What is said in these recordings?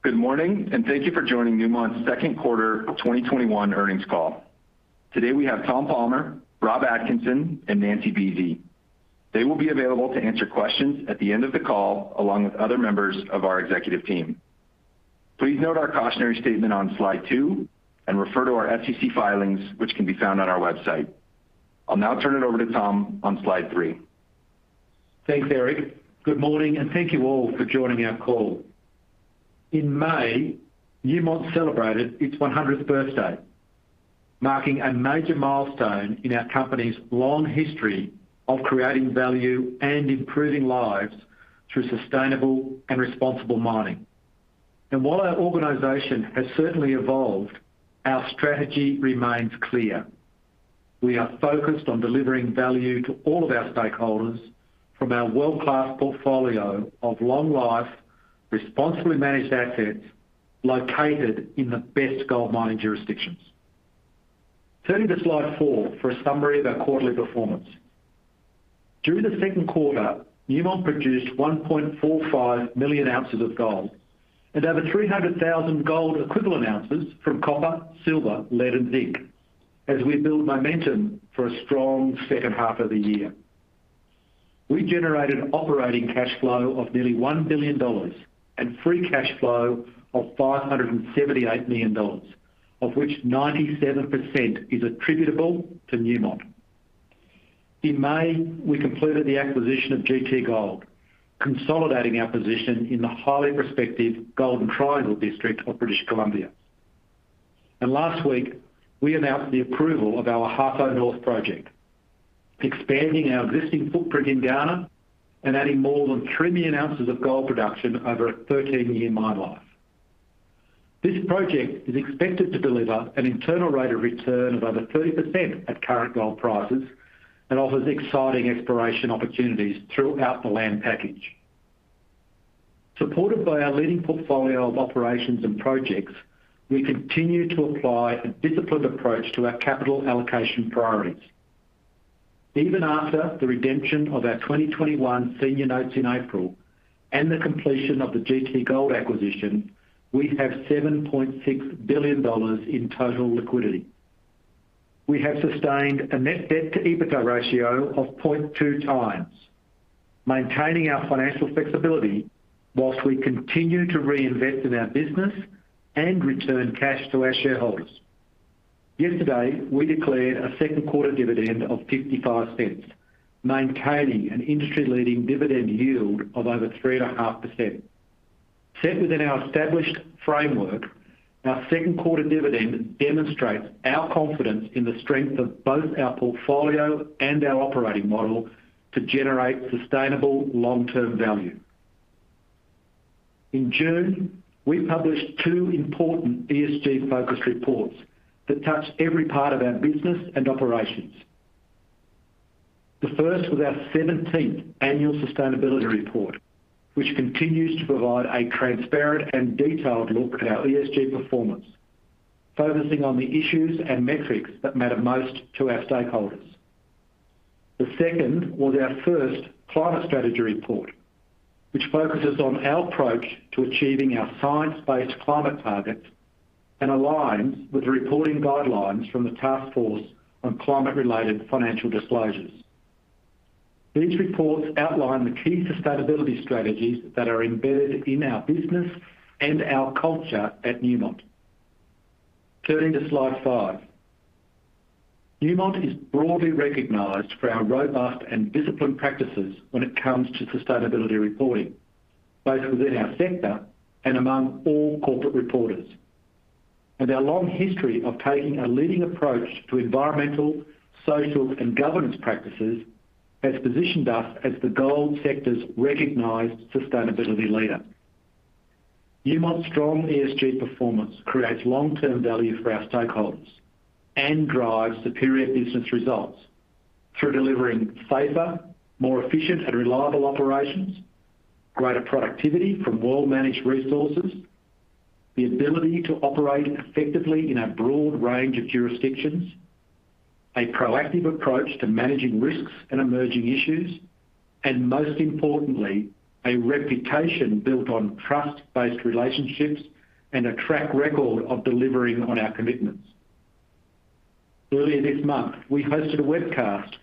Good morning, and thank you for joining Newmont's second quarter 2021 earnings call. Today we have Tom Palmer, Rob Atkinson, and Nancy Buese. They will be available to answer questions at the end of the call, along with other members of our executive team. Please note our cautionary statement on slide two and refer to our SEC filings, which can be found on our website. I'll now turn it over to Tom on slide three. Thanks, Eric. Good morning, and thank you all for joining our call. In May, Newmont celebrated its 100th birthday, marking a major milestone in our company's long history of creating value and improving lives through sustainable and responsible mining. While our organization has certainly evolved, our strategy remains clear. We are focused on delivering value to all of our stakeholders from our world-class portfolio of long life, responsibly managed assets located in the best gold mining jurisdictions. Turning to slide four for a summary of our quarterly performance. During the second quarter, Newmont produced 1.45 million ounces of gold and over 300,000 gold equivalent ounces from copper, silver, lead, and zinc, as we build momentum for a strong second half of the year. We generated operating cash flow of nearly $1 billion and free cash flow of $578 million, of which 97% is attributable to Newmont. In May, we completed the acquisition of GT Gold, consolidating our position in the highly prospective Golden Triangle district of British Columbia. Last week, we announced the approval of our Ahafo North project, expanding our existing footprint in Ghana and adding more than 3 million ounces of gold production over a 13-year mine life. This project is expected to deliver an internal rate of return of over 30% at current gold prices and offers exciting exploration opportunities throughout the land package. Supported by our leading portfolio of operations and projects, we continue to apply a disciplined approach to our capital allocation priorities. Even after the redemption of our 2021 senior notes in April and the completion of the GT Gold acquisition, we have $7.6 billion in total liquidity. We have sustained a net debt to EBITDA ratio of 0.2x, maintaining our financial flexibility whilst we continue to reinvest in our business and return cash to our shareholders. Yesterday, we declared a second quarter dividend of $0.55, maintaining an industry-leading dividend yield of over 3.5%. Set within our established framework, our second quarter dividend demonstrates our confidence in the strength of both our portfolio and our operating model to generate sustainable long-term value. In June, we published two important ESG focus reports that touch every part of our business and operations. The first was our 17th annual sustainability report, which continues to provide a transparent and detailed look at our ESG performance, focusing on the issues and metrics that matter most to our stakeholders. The second was our first climate strategy report, which focuses on our approach to achieving our science-based climate targets and aligns with the reporting guidelines from the Task Force on Climate-related Financial Disclosures. These reports outline the key sustainability strategies that are embedded in our business and our culture at Newmont. Turning to slide five. Newmont is broadly recognized for our robust and disciplined practices when it comes to sustainability reporting, both within our sector and among all corporate reporters. Our long history of taking a leading approach to environmental, social, and governance practices has positioned us as the gold sector's recognized sustainability leader. Newmont's strong ESG performance creates long-term value for our stakeholders and drives superior business results through delivering safer, more efficient, and reliable operations, greater productivity from well-managed resources, the ability to operate effectively in a broad range of jurisdictions, a proactive approach to managing risks and emerging issues, and most importantly, a reputation built on trust-based relationships and a track record of delivering on our commitments. Earlier this month, we hosted a webcast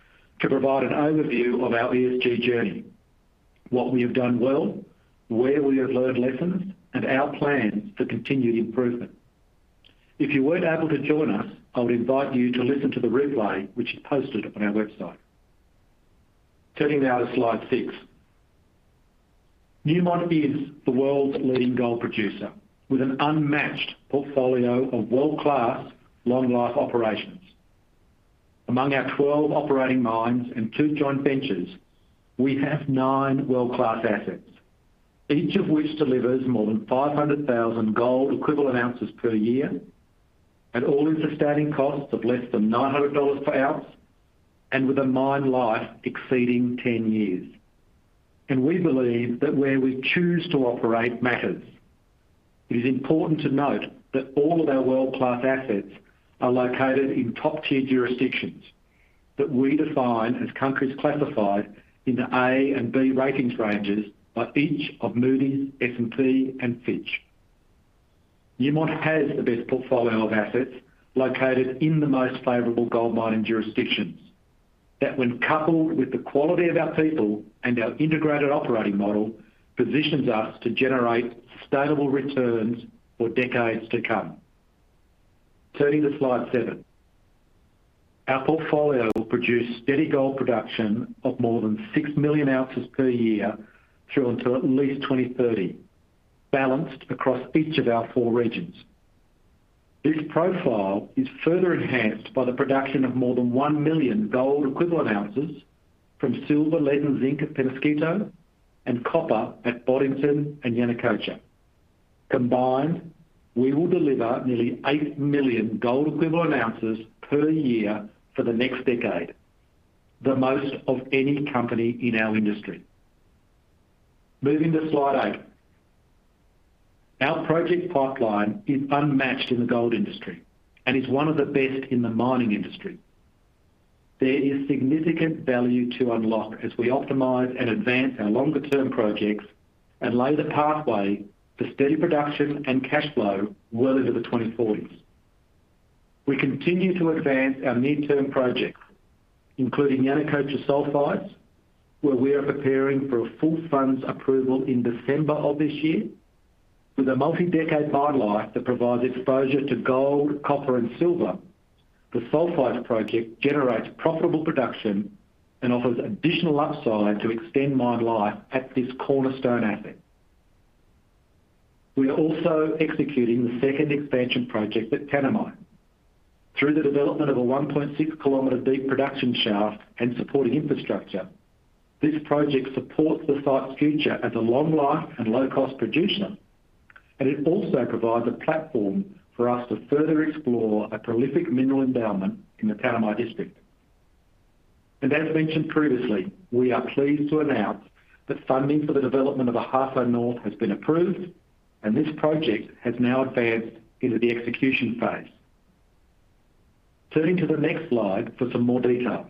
to provide an overview of our ESG journey, what we have done well, where we have learned lessons, and our plans for continued improvement. If you weren't able to join us, I would invite you to listen to the replay, which is posted on our website. Turning now to slide six. Newmont is the world's leading gold producer with an unmatched portfolio of world-class long-life operations. Among our 12 operating mines and two joint ventures, we have nine world-class assets, each of which delivers more than 500,000 gold equivalent ounces per year at all-in sustaining costs of less than $900 per ounce, with a mine life exceeding 10 years. We believe that where we choose to operate matters. It is important to note that all of our world-class assets are located in top-tier jurisdictions that we define as countries classified in the A and B ratings ranges by each of Moody's, S&P, and Fitch. Newmont has the best portfolio of assets located in the most favorable gold mining jurisdictions that when coupled with the quality of our people and our integrated operating model, positions us to generate sustainable returns for decades to come. Turning to slide seven. Our portfolio will produce steady gold production of more than 6 million ounces per year through until at least 2030, balanced across each of our four regions. This profile is further enhanced by the production of more than 1 million gold equivalent ounces from silver, lead, and zinc at Peñasquito, and copper at Boddington and Yanacocha. Combined, we will deliver nearly 8 million gold equivalent ounces per year for the next decade, the most of any company in our industry. Moving to slide eight. Our project pipeline is unmatched in the gold industry and is one of the best in the mining industry. There is significant value to unlock as we optimize and advance our longer-term projects and lay the pathway to steady production and cash flow well into the 2040s. We continue to advance our mid-term projects, including Yanacocha Sulfides, where we are preparing for a full funds approval in December of this year with a multi-decade mine life that provides exposure to gold, copper, and silver. The Sulfides project generates profitable production and offers additional upside to extend mine life at this cornerstone asset. We are also executing the second expansion project at Tanami. Through the development of a 1.6 km deep production shaft and supporting infrastructure, it also provides a platform for us to further explore a prolific mineral endowment in the Tanami district. As mentioned previously, we are pleased to announce that funding for the development of Ahafo North has been approved, and this project has now advanced into the execution phase. Turning to the next slide for some more detail.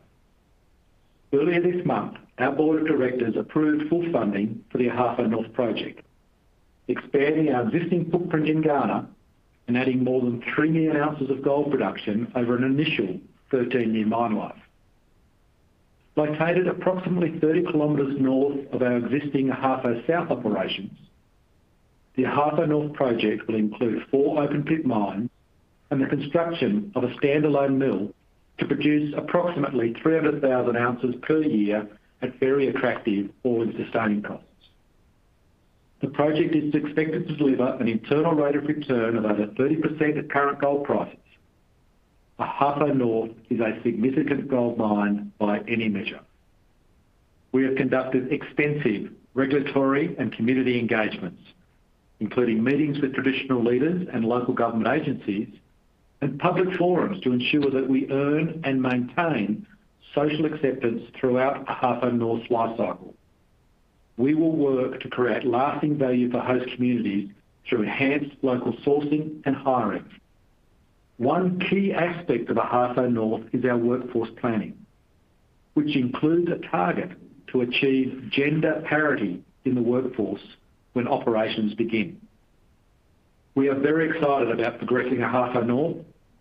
Earlier this month, our board of directors approved full funding for the Ahafo North project, expanding our existing footprint in Ghana and adding more than 3 million ounces of gold production over an initial 13-year mine life. Located approximately 30 km north of our existing Ahafo South operations, the Ahafo North project will include four open pit mines and the construction of a standalone mill to produce approximately 300,000 ounces per year at very attractive all-in sustaining costs. The project is expected to deliver an internal rate of return of over 30% at current gold prices. Ahafo North is a significant gold mine by any measure. We have conducted extensive regulatory and community engagements, including meetings with traditional leaders and local government agencies, and public forums to ensure that we earn and maintain social acceptance throughout Ahafo North's life cycle. We will work to create lasting value for host communities through enhanced local sourcing and hiring. One key aspect of Ahafo North is our workforce planning, which includes a target to achieve gender parity in the workforce when operations begin. We are very excited about progressing Ahafo North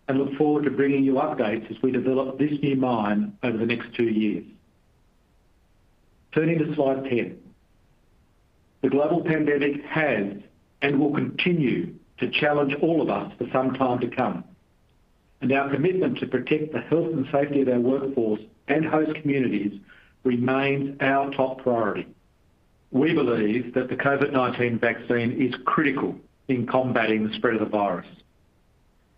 and look forward to bringing you updates as we develop this new mine over the next two years. Turning to slide 10. The global pandemic has, and will continue, to challenge all of us for some time to come, and our commitment to protect the health and safety of our workforce and host communities remains our top priority. We believe that the COVID-19 vaccine is critical in combating the spread of the virus.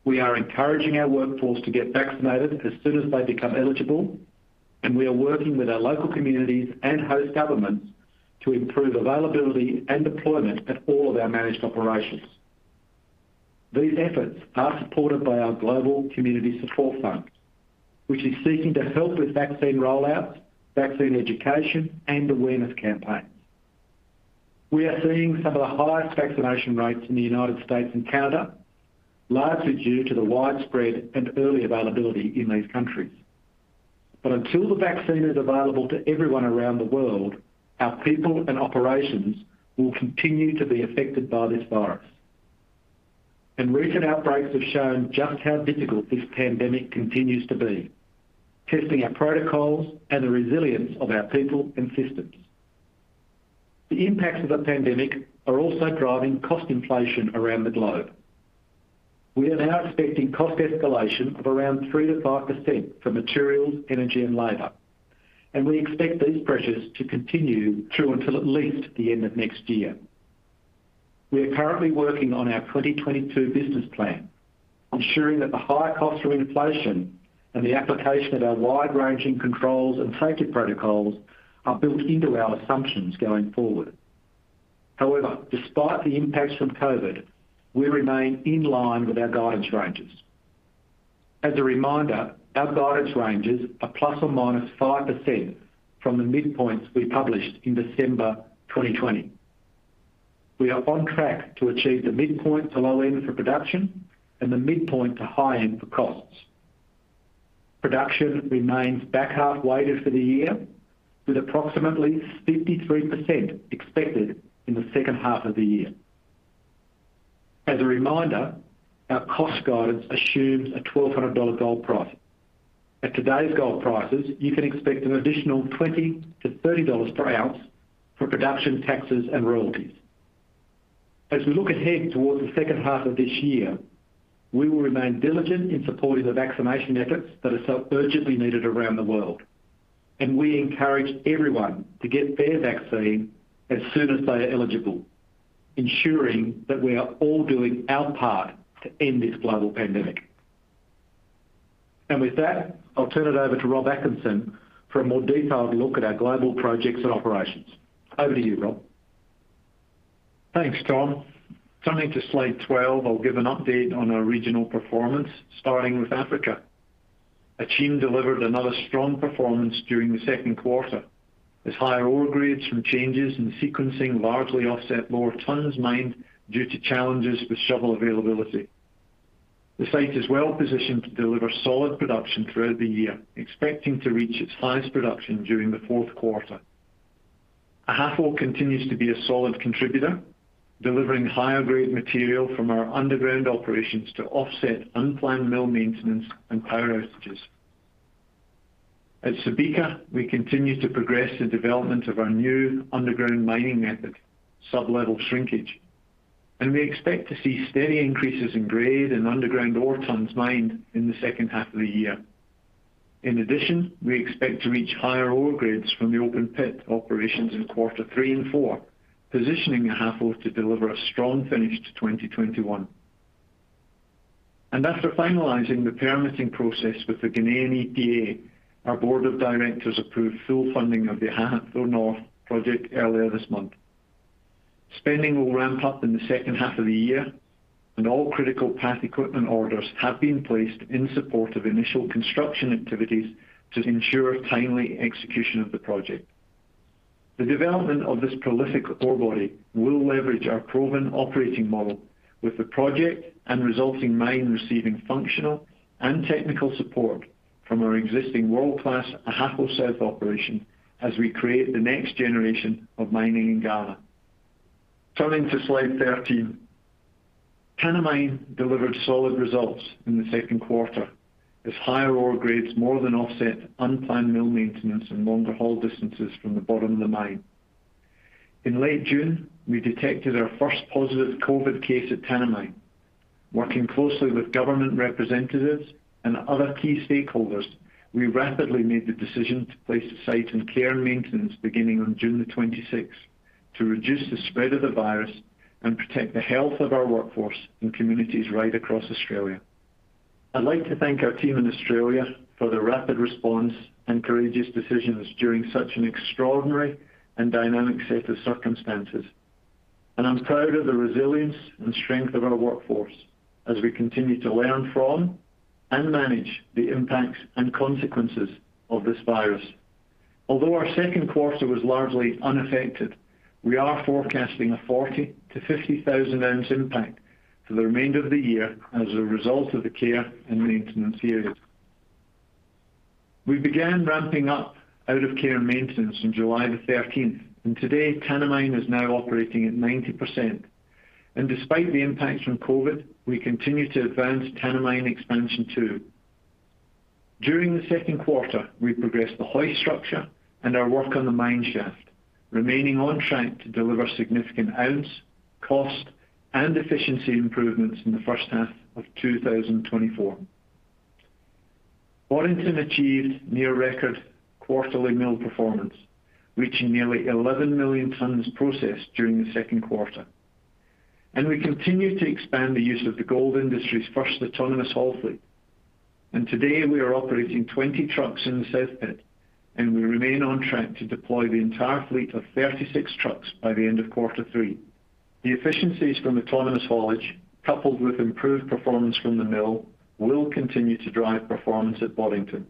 We are encouraging our workforce to get vaccinated as soon as they become eligible, and we are working with our local communities and host governments to improve availability and deployment at all of our managed operations. These efforts are supported by our global community support fund, which is seeking to help with vaccine rollouts, vaccine education, and awareness campaigns. We are seeing some of the highest vaccination rates in the United States and Canada, largely due to the widespread and early availability in these countries. Until the vaccine is available to everyone around the world, our people and operations will continue to be affected by this virus. Recent outbreaks have shown just how difficult this pandemic continues to be, testing our protocols and the resilience of our people and systems. The impacts of the pandemic are also driving cost inflation around the globe. We are now expecting cost escalation of around 3%-5% for materials, energy, and labor. We expect these pressures to continue through until at least the end of next year. We are currently working on our 2022 business plan, ensuring that the higher cost of inflation and the application of our wide-ranging controls and safety protocols are built into our assumptions going forward. However, despite the impacts of COVID, we remain in line with our guidance ranges. As a reminder, our guidance ranges are ±5% from the midpoints we published in December 2020. We are on track to achieve the midpoint to low end for production and the midpoint to high end for costs. Production remains back-half weighted for the year, with approximately 53% expected in the second half of the year. As a reminder, our cost guidance assumes a $1,200 gold price. At today's gold prices, you can expect an additional $20-$30 per ounce for production taxes and royalties. As we look ahead towards the second half of this year, we will remain diligent in supporting the vaccination efforts that are so urgently needed around the world, and we encourage everyone to get their vaccine as soon as they are eligible, ensuring that we are all doing our part to end this global pandemic. With that, I'll turn it over to Rob Atkinson for a more detailed look at our global projects and operations. Over to you, Rob. Thanks, Tom. Turning to slide 12, I'll give an update on our regional performance, starting with Africa. Akyem delivered another strong performance during the second quarter, as higher ore grades from changes in sequencing largely offset lower tonnes mined due to challenges with shovel availability. The site is well positioned to deliver solid production throughout the year, expecting to reach its highest production during the fourth quarter. Ahafo continues to be a solid contributor, delivering higher grade material from our underground operations to offset unplanned mill maintenance and power outages. At Subika, we continue to progress the development of our new underground mining method, sublevel shrinkage. We expect to see steady increases in grade and underground ore tonnes mined in the second half of the year. In addition, we expect to reach higher ore grades from the open pit operations in Q3 and Q4, positioning Ahafo to deliver a strong finish to 2021. After finalizing the permitting process with the Ghanaian EPA, our board of directors approved full funding of the Ahafo North project earlier this month. Spending will ramp up in the second half of the year, and all critical path equipment orders have been placed in support of initial construction activities to ensure timely execution of the project. The development of this prolific ore body will leverage our proven operating model with the project and resulting mine receiving functional and technical support from our existing world-class Ahafo South operation as we create the next generation of mining in Ghana. Turning to slide 13. Tanami delivered solid results in the second quarter as higher ore grades more than offset unplanned mill maintenance and longer haul distances from the bottom of the mine. In late June, we detected our first positive COVID case at Tanami. Working closely with government representatives and other key stakeholders, we rapidly made the decision to place the site in care and maintenance beginning on June the 26th to reduce the spread of the virus and protect the health of our workforce and communities right across Australia. I'd like to thank our team in Australia for their rapid response and courageous decisions during such an extraordinary and dynamic set of circumstances, and I'm proud of the resilience and strength of our workforce as we continue to learn from and manage the impacts and consequences of this virus. Although our second quarter was largely unaffected, we are forecasting a 40,000-50,000 oz impact for the remainder of the year as a result of the care and maintenance period. We began ramping up out of care and maintenance on July 13th, and today, Tanami is now operating at 90%. Despite the impacts from COVID, we continue to advance Tanami Expansion 2. During the second quarter, we progressed the hoist structure and our work on the mine shaft, remaining on track to deliver significant ounce, cost, and efficiency improvements in the first half of 2024. Boddington achieved near-record quarterly mill performance, reaching nearly 11 million tonnes processed during the second quarter. We continue to expand the use of the gold industry's first autonomous haul fleet. Today, we are operating 20 trucks in the South Pit, and we remain on track to deploy the entire fleet of 36 trucks by the end of quarter three. The efficiencies from autonomous haulage, coupled with improved performance from the mill, will continue to drive performance at Boddington.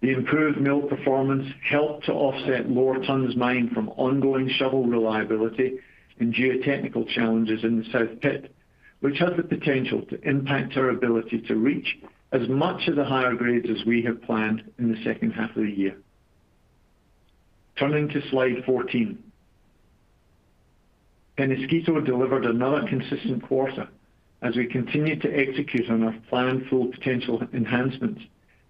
The improved mill performance helped to offset lower tons mined from ongoing shovel reliability and geotechnical challenges in the South Pit, which have the potential to impact our ability to reach as much of the higher grades as we have planned in the second half of the year. Turning to slide 14. Penasquito delivered another consistent quarter as we continue to execute on our planned Full Potential enhancements,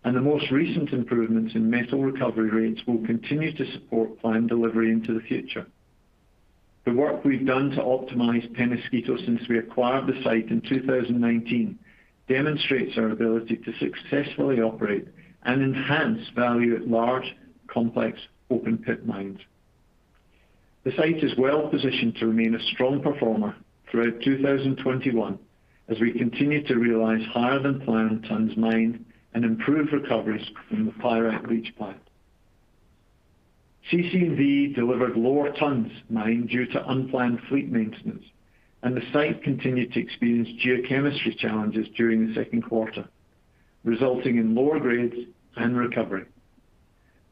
and the most recent improvements in metal recovery rates will continue to support planned delivery into the future. The work we've done to optimize Penasquito since we acquired the site in 2019 demonstrates our ability to successfully operate and enhance value at large, complex, open pit mines. The site is well positioned to remain a strong performer throughout 2021 as we continue to realize higher than planned tonnes mined and improve recoveries from the pyrite leach pad. CC&V delivered lower tonnes mined due to unplanned fleet maintenance, and the site continued to experience geochemistry challenges during the second quarter, resulting in lower grades and recovery.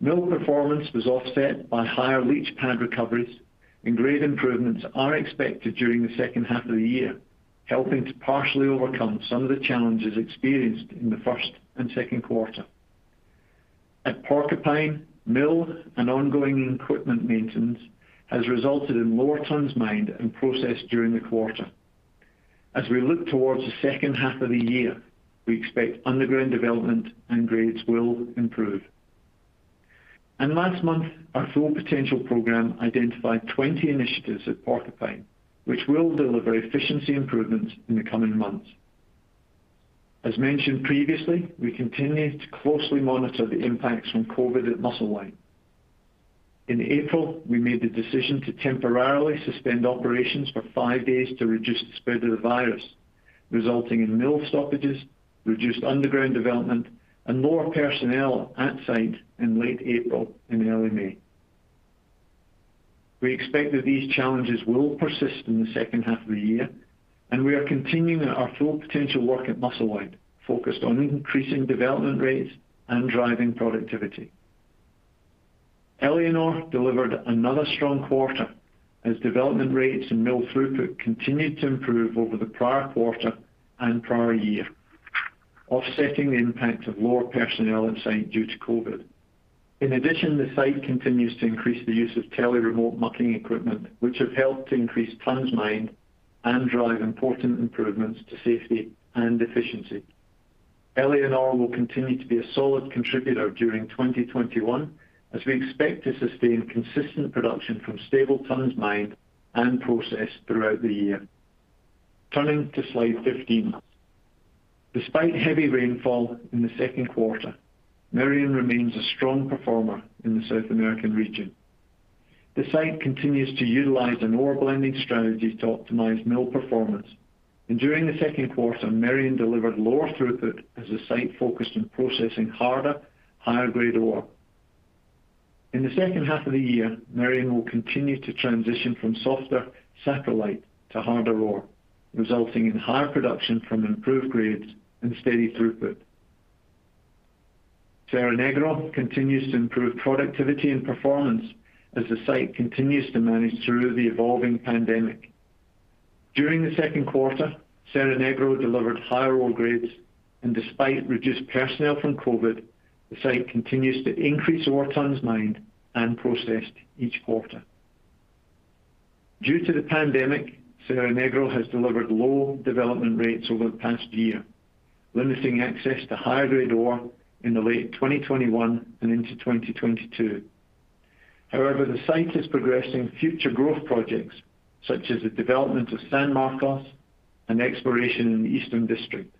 Mill performance was offset by higher leach pad recoveries, and grade improvements are expected during the second half of the year, helping to partially overcome some of the challenges experienced in the first and second quarter. At Porcupine, mill and ongoing equipment maintenance has resulted in lower tonnes mined and processed during the quarter. As we look towards the second half of the year, we expect underground development and grades will improve. Last month, our Full Potential program identified 20 initiatives at Porcupine, which will deliver efficiency improvements in the coming months. As mentioned previously, we continue to closely monitor the impacts from COVID at Musselwhite. In April, we made the decision to temporarily suspend operations for 5 days to reduce the spread of the virus, resulting in mill stoppages, reduced underground development, and lower personnel at site in late April and early May. We expect that these challenges will persist in the second half of the year. We are continuing our Full Potential work at Musselwhite, focused on increasing development rates and driving productivity. Éléonore delivered one another strong quarter as development rates and mill throughput continued to improve over the prior quarter and prior year, offsetting the impact of lower personnel on site due to COVID. In addition, the site continues to increase the use of tele-remote mucking equipment, which have helped to increase tonnes mined and drive important improvements to safety and efficiency. Éléonore will continue to be a solid contributor during 2021, as we expect to sustain consistent production from stable tonnes mined and processed throughout the year. Turning to slide 15. Despite heavy rainfall in the second quarter, Merian remains a strong performer in the South American region. The site continues to utilize an ore blending strategy to optimize mill performance. During the second quarter, Merian delivered lower throughput as the site focused on processing harder, higher-grade ore. In the second half of the year, Merian will continue to transition from softer satellite to harder ore, resulting in higher production from improved grades and steady throughput. Cerro Negro continues to improve productivity and performance as the site continues to manage through the evolving pandemic. During the second quarter, Cerro Negro delivered higher ore grades, and despite reduced personnel from COVID, the site continues to increase ore tonnes mined and processed each quarter. Due to the pandemic, Cerro Negro has delivered low development rates over the past year, limiting access to higher-grade ore in late 2021 and into 2022. However, the site is progressing future growth projects, such as the development of San Marcos and exploration in the Eastern District.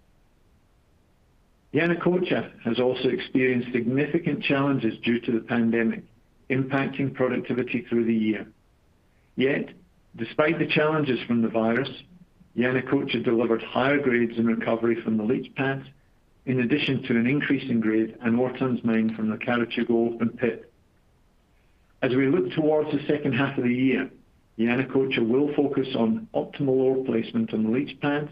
Yanacocha has also experienced significant challenges due to the pandemic, impacting productivity through the year. Despite the challenges from the virus, Yanacocha delivered higher grades and recovery from the leach pads, in addition to an increase in grade and ore tons mined from the Carachugo open pit. As we look towards the second half of the year, Yanacocha will focus on optimal ore placement on the leach pads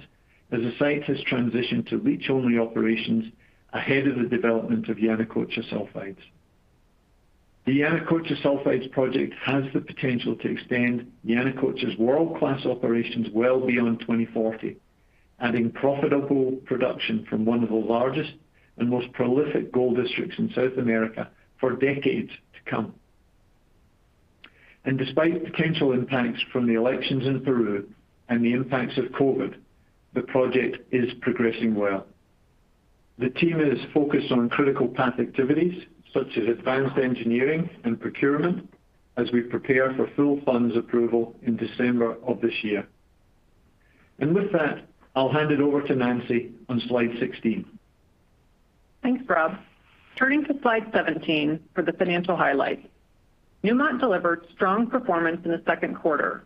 as the site has transitioned to leach-only operations ahead of the development of Yanacocha Sulfides. The Yanacocha Sulfides project has the potential to extend Yanacocha's world-class operations well beyond 2040, adding profitable production from one of the largest and most prolific gold districts in South America for decades to come. Despite potential impacts from the elections in Peru and the impacts of COVID, the project is progressing well. The team is focused on critical path activities, such as advanced engineering and procurement as we prepare for full funds approval in December of this year. With that, I'll hand it over to Nancy on slide 16. Thanks, Rob. Turning to slide 17 for the financial highlights. Newmont delivered strong performance in the second quarter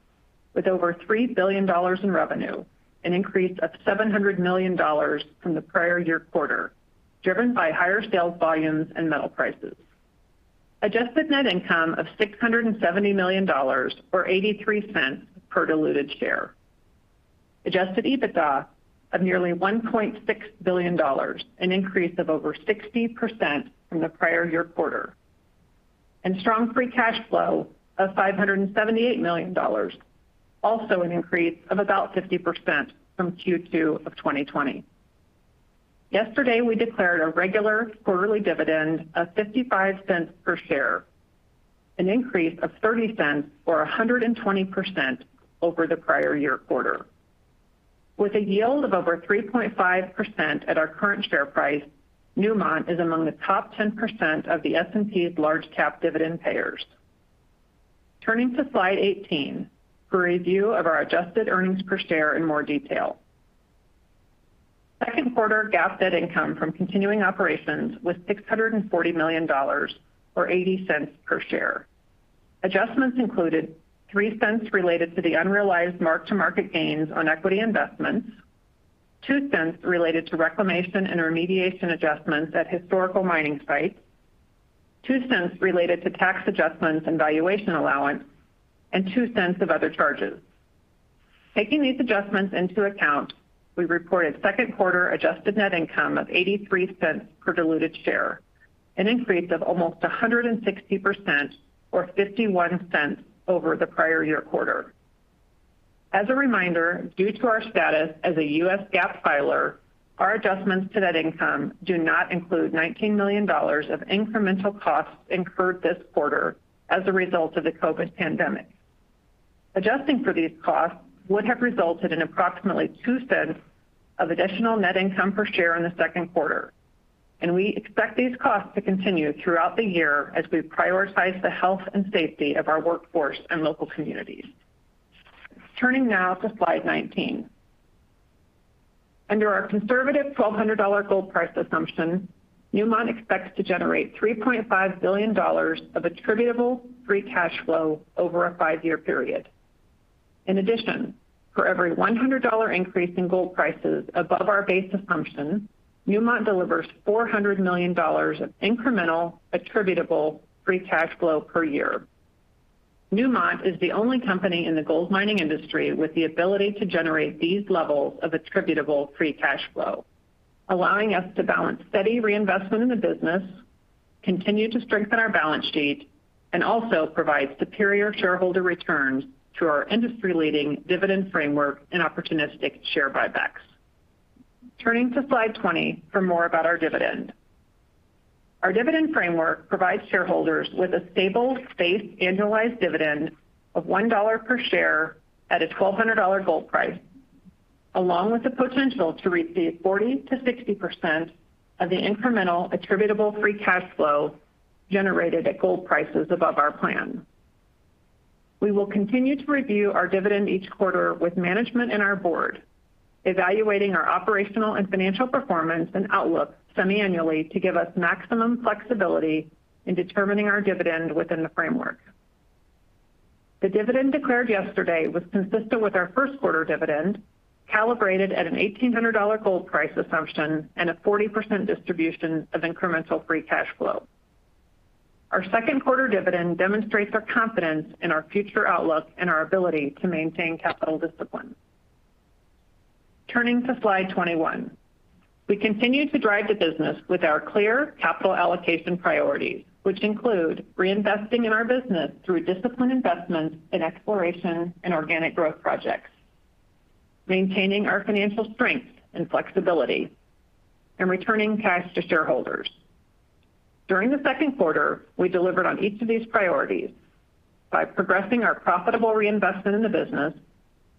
with over $3 billion in revenue, an increase of $700 million from the prior year quarter, driven by higher sales volumes and metal prices. Adjusted net income of $670 million, or $0.83 per diluted share. Adjusted EBITDA of nearly $1.6 billion, an increase of over 60% from the prior year quarter. Strong free cash flow of $578 million, also an increase of about 50% from Q2 of 2020. Yesterday, we declared a regular quarterly dividend of $0.55 per share, an increase of $0.30 or 120% over the prior year quarter. With a yield of over 3.5% at our current share price, Newmont is among the top 10% of the S&P's large cap dividend payers. Turning to slide 18 for a view of our adjusted earnings per share in more detail. Second quarter GAAP net income from continuing operations was $640 million or $0.80 per share. Adjustments included $0.03 related to the unrealized mark-to-market gains on equity investments, $0.02 related to reclamation and remediation adjustments at historical mining sites, $0.02 related to tax adjustments and valuation allowance, and $0.02 of other charges. Taking these adjustments into account, we reported second quarter adjusted net income of $0.83 per diluted share, an increase of almost 160% or $0.51 over the prior year quarter. As a reminder, due to our status as a US GAAP filer, our adjustments to net income do not include $19 million of incremental costs incurred this quarter as a result of the COVID pandemic. Adjusting for these costs would have resulted in approximately $0.02 of additional net income per share in the second quarter. We expect these costs to continue throughout the year as we prioritize the health and safety of our workforce and local communities. Turning now to slide 19. Under our conservative $1,200 gold price assumption, Newmont expects to generate $3.5 billion of attributable free cash flow over a five-year period. In addition, for every $100 increase in gold prices above our base assumption, Newmont delivers $400 million of incremental attributable free cash flow per year. Newmont is the only company in the gold mining industry with the ability to generate these levels of attributable free cash flow, allowing us to balance steady reinvestment in the business, continue to strengthen our balance sheet, and also provide superior shareholder returns through our industry-leading dividend framework and opportunistic share buybacks. Turning to slide 20 for more about our dividend. Our dividend framework provides shareholders with a stable, safe annualized dividend of $1 per share at a $1,200 gold price, along with the potential to receive 40%-60% of the incremental attributable free cash flow generated at gold prices above our plan. We will continue to review our dividend each quarter with management and our board, evaluating our operational and financial performance and outlook semi-annually to give us maximum flexibility in determining our dividend within the framework. The dividend declared yesterday was consistent with our first quarter dividend, calibrated at an $1,800 gold price assumption and a 40% distribution of incremental free cash flow. Our second quarter dividend demonstrates our confidence in our future outlook and our ability to maintain capital discipline. Turning to slide 21. We continue to drive the business with our clear capital allocation priorities, which include reinvesting in our business through disciplined investments in exploration and organic growth projects, maintaining our financial strength and flexibility, and returning cash to shareholders. During Q2, we delivered on each of these priorities by progressing our profitable reinvestment in the business,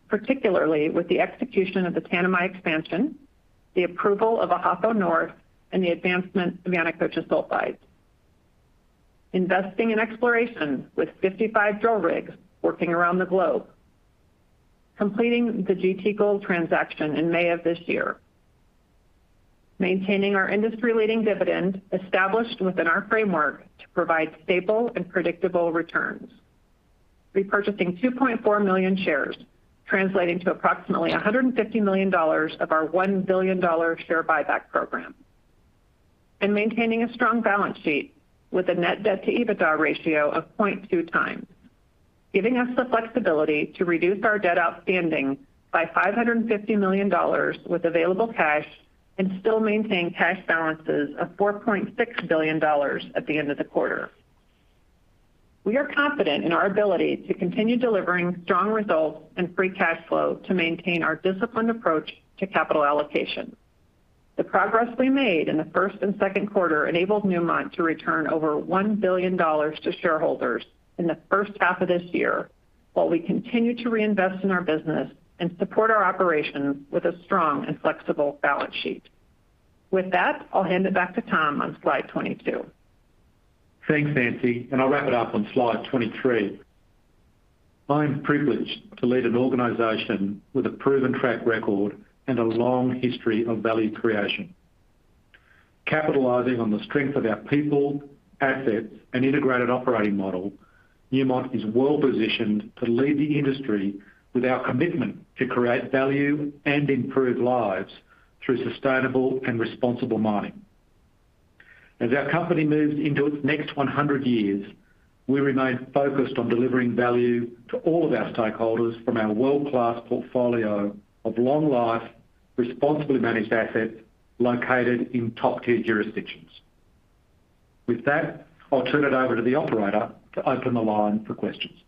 particularly with the execution of the Tanami expansion, the approval of Ahafo North, and the advancement of Yanacocha Sulfides. Investing in exploration with 55 drill rigs working around the globe. Completing the GT Gold transaction in May of this year. Maintaining our industry-leading dividend established within our framework to provide stable and predictable returns. Repurchasing 2.4 million shares, translating to approximately $150 million of our $1 billion share buyback program. Maintaining a strong balance sheet with a net debt to EBITDA ratio of 0.2x, giving us the flexibility to reduce our debt outstanding by $550 million with available cash and still maintain cash balances of $4.6 billion at the end of the quarter. We are confident in our ability to continue delivering strong results and free cash flow to maintain our disciplined approach to capital allocation. The progress we made in the first and second quarter enabled Newmont to return over $1 billion to shareholders in the first half of this year, while we continue to reinvest in our business and support our operations with a strong and flexible balance sheet. With that, I'll hand it back to Tom on slide 22. Thanks, Nancy. I'll wrap it up on slide 23. I'm privileged to lead an organization with a proven track record and a long history of value creation. Capitalizing on the strength of our people, assets, and integrated operating model, Newmont is well-positioned to lead the industry with our commitment to create value and improve lives through sustainable and responsible mining. As our company moves into its next 100 years, we remain focused on delivering value to all of our stakeholders from our world-class portfolio of long-life, responsibly managed assets located in top-tier jurisdictions. With that, I'll turn it over to the operator to open the line for questions.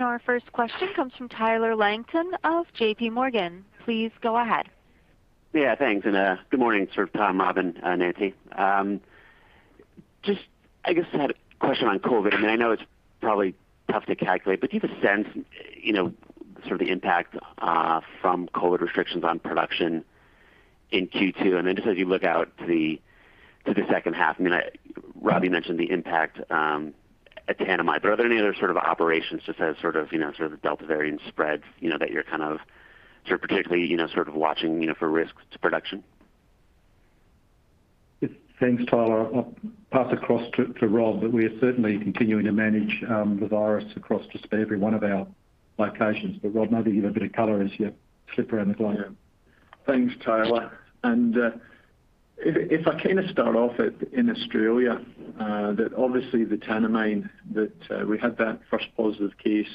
Our first question comes from Tyler Langton of JPMorgan. Please go ahead. Yeah, thanks. Good morning, sir Tom, Rob, and Nancy. I guess I had a question on COVID. I know it's probably tough to calculate, but do you have a sense of the impact from COVID restrictions on production in Q2? As you look out to the second half, Rob mentioned the impact at the Tanami, but are there any other operations just as the Delta variant spreads, that you're particularly watching for risks to production? Yes. Thanks, Tyler. I'll pass across to Rob, but we are certainly continuing to manage the virus across just every one of our locations. Rob, maybe give a bit of color as you flip around the globe. Yeah. Thanks, Tyler. If I start off in Australia, that obviously the Tanami, that we had that first positive case,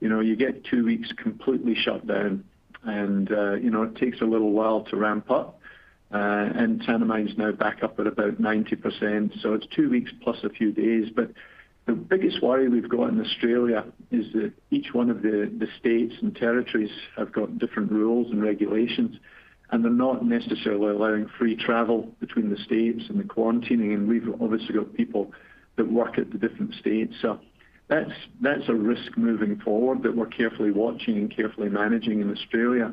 you get two weeks completely shut down. It takes a little while to ramp up, Tanami's now back up at about 90%. It's two weeks plus a few days. The biggest worry we've got in Australia is that each one of the states and territories have got different rules and regulations, they're not necessarily allowing free travel between the states and the quarantining. We've obviously got people that work at the different states. That's a risk moving forward that we're carefully watching and carefully managing in Australia.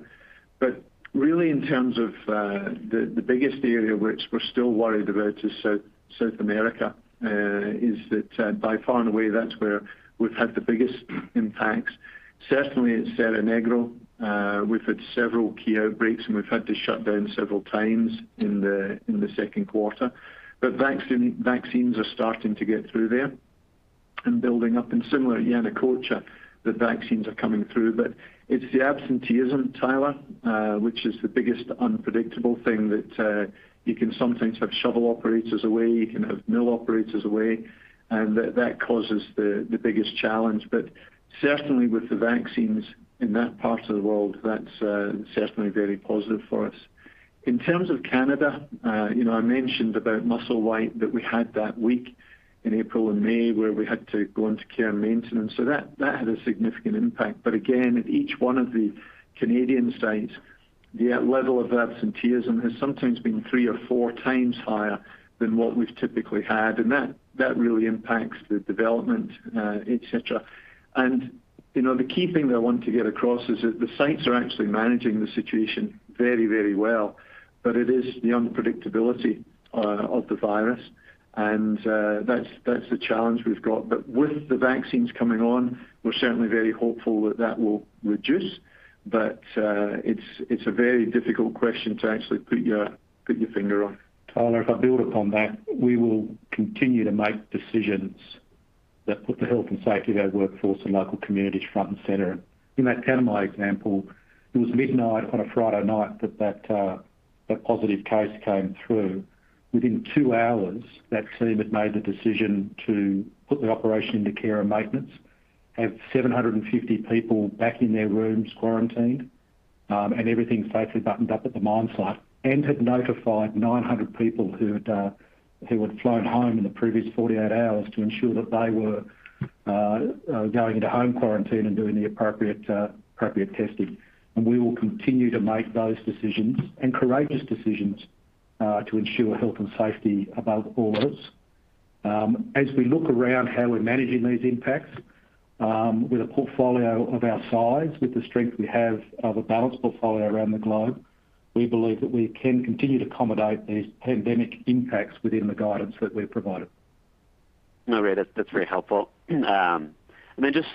Really in terms of the biggest area which we're still worried about is South America, is that by far and away that's where we've had the biggest impacts. Certainly at Cerro Negro, we've had several key outbreaks, and we've had to shut down several times in the second quarter. Vaccines are starting to get through there and building up. Similar at Yanacocha, the vaccines are coming through. It's the absenteeism, Tyler, which is the biggest unpredictable thing that you can sometimes have shovel operators away, you can have mill operators away, and that causes the biggest challenge. Certainly with the vaccines in that part of the world, that's certainly very positive for us. In terms of Canada, I mentioned about Musselwhite that we had that week in April and May where we had to go into care and maintenance. That had a significant impact. Again, at each one of the Canadian sites, the level of absenteeism has sometimes been three or four times higher than what we've typically had. That really impacts the development, et cetera. The key thing that I want to get across is that the sites are actually managing the situation very well, but it is the unpredictability of the virus, and that's the challenge we've got. With the vaccines coming on, we're certainly very hopeful that that will reduce. It's a very difficult question to actually put your finger on. Tyler, if I build upon that, we will continue to make decisions that put the health and safety of our workforce and local communities front and center. In that Tanami example, it was midnight on a Friday night that that positive case came through. Within two hours, that team had made the decision to put the operation into care and maintenance, have 750 people back in their rooms quarantined, and everything safely buttoned up at the mine site, and had notified 900 people who had flown home in the previous 48 hours to ensure that they were going into home quarantine and doing the appropriate testing. We will continue to make those decisions, and courageous decisions, to ensure health and safety above all else. As we look around how we're managing these impacts, with a portfolio of our size, with the strength we have of a balanced portfolio around the globe, we believe that we can continue to accommodate these pandemic impacts within the guidance that we've provided. No, great. That's very helpful. just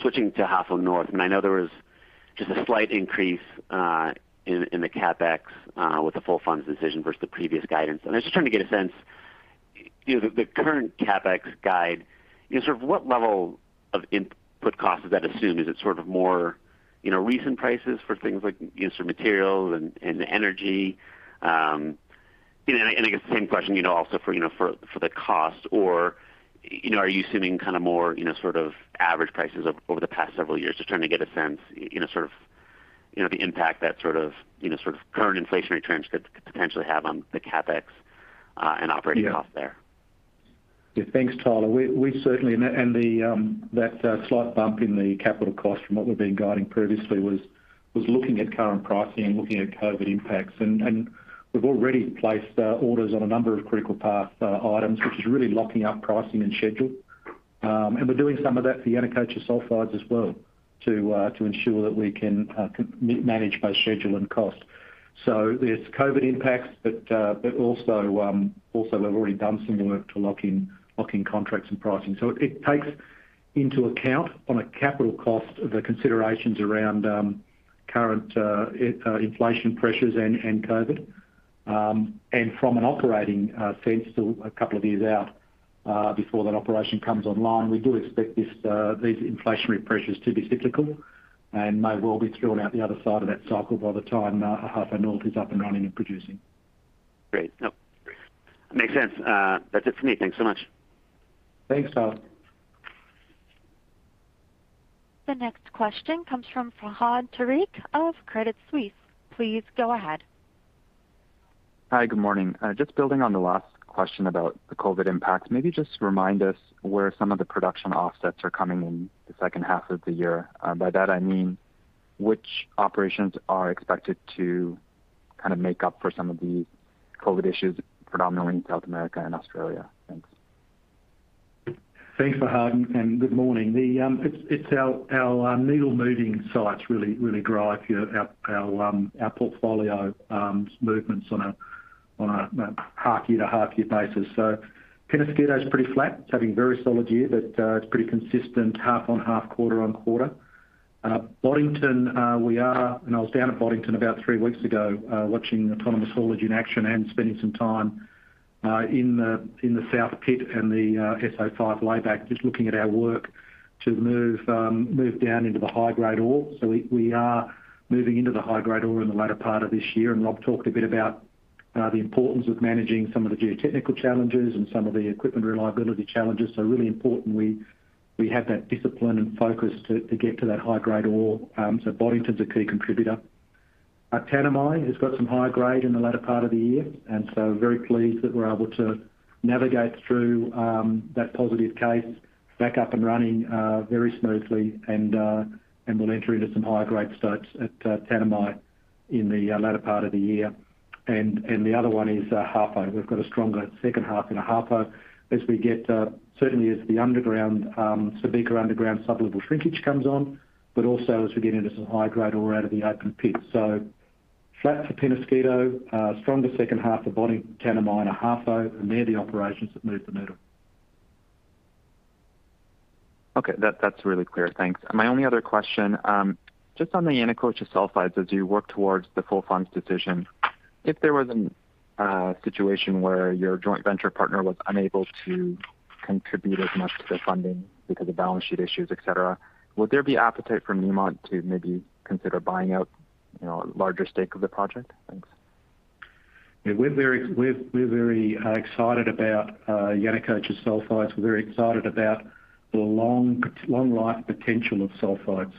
switching to Ahafo North, and I know there was just a slight increase in the CapEx with the full funds decision versus the previous guidance. I'm just trying to get a sense, the current CapEx guide, what level of input cost does that assume? Is it sort of more recent prices for things like materials and energy? I guess the same question also for the cost, or are you assuming more average prices over the past several years? Just trying to get a sense, the impact that current inflationary trends could potentially have on the CapEx and operating costs there. Yeah. Thanks, Tyler. That slight bump in the capital cost from what we've been guiding previously was looking at current pricing and looking at COVID impacts. We've already placed orders on a number of critical path items, which is really locking up pricing and schedule. We're doing some of that for Yanacocha Sulfides as well to ensure that we can manage both schedule and cost. There's COVID impacts, but also we've already done some work to lock in contracts and pricing. It takes into account, on a capital cost, the considerations around current inflation pressures and COVID. From an operating sense, still a couple of years out, before that operation comes online, we do expect these inflationary pressures to be cyclical and may well be throughout the other side of that cycle by the time Ahafo North is up and running and producing. Great. Nope. Makes sense. That's it for me. Thanks so much. Thanks, Tyler. The next question comes from Fahad Tariq of Credit Suisse. Please go ahead. Hi. Good morning. Just building on the last question about the COVID impact, maybe just remind us where some of the production offsets are coming in the second half of the year. By that I mean, which operations are expected to kind of make up for some of the COVID issues, predominantly in South America and Australia. Thanks. Thanks for that. Good morning. It's our needle-moving sites really drive our portfolio's movements on a half-year-to-half-year basis. Penasquito's pretty flat. It's having a very solid year, but it's pretty consistent half-on-half, quarter-on-quarter. I was down at Boddington about three weeks ago, watching autonomous haulage in action and spending some time in the south pit and the SO5 lay-back, just looking at our work to move down into the high-grade ore. We are moving into the high-grade ore in the latter part of this year, and Rob talked a bit about the importance of managing some of the geotechnical challenges and some of the equipment reliability challenges. Really important we have that discipline and focus to get to that high-grade ore. Boddington's a key contributor. Tanami has got some high grade in the latter part of the year, and so very pleased that we're able to navigate through that positive case, back up and running very smoothly, and we'll enter into some higher-grade stripes at Tanami in the latter part of the year. The other one is Ahafo. We've got a stronger second half in Ahafo as we get, certainly as the Subika underground sublevel shrinkage comes on, but also as we get into some high-grade ore out of the open pit. Flat for Penasquito, stronger second half for Boddington, Tanami and Ahafo, and they're the operations that move the needle. That's really clear. Thanks. My only other question, just on the Yanacocha Sulfides, as you work towards the full funds decision, if there was a situation where your joint venture partner was unable to contribute as much to the funding because of balance sheet issues, et cetera, would there be appetite from Newmont to maybe consider buying out a larger stake of the project? Thanks. Yeah. We're very excited about Yanacocha sulfides. We're very excited about the long life potential of sulfides.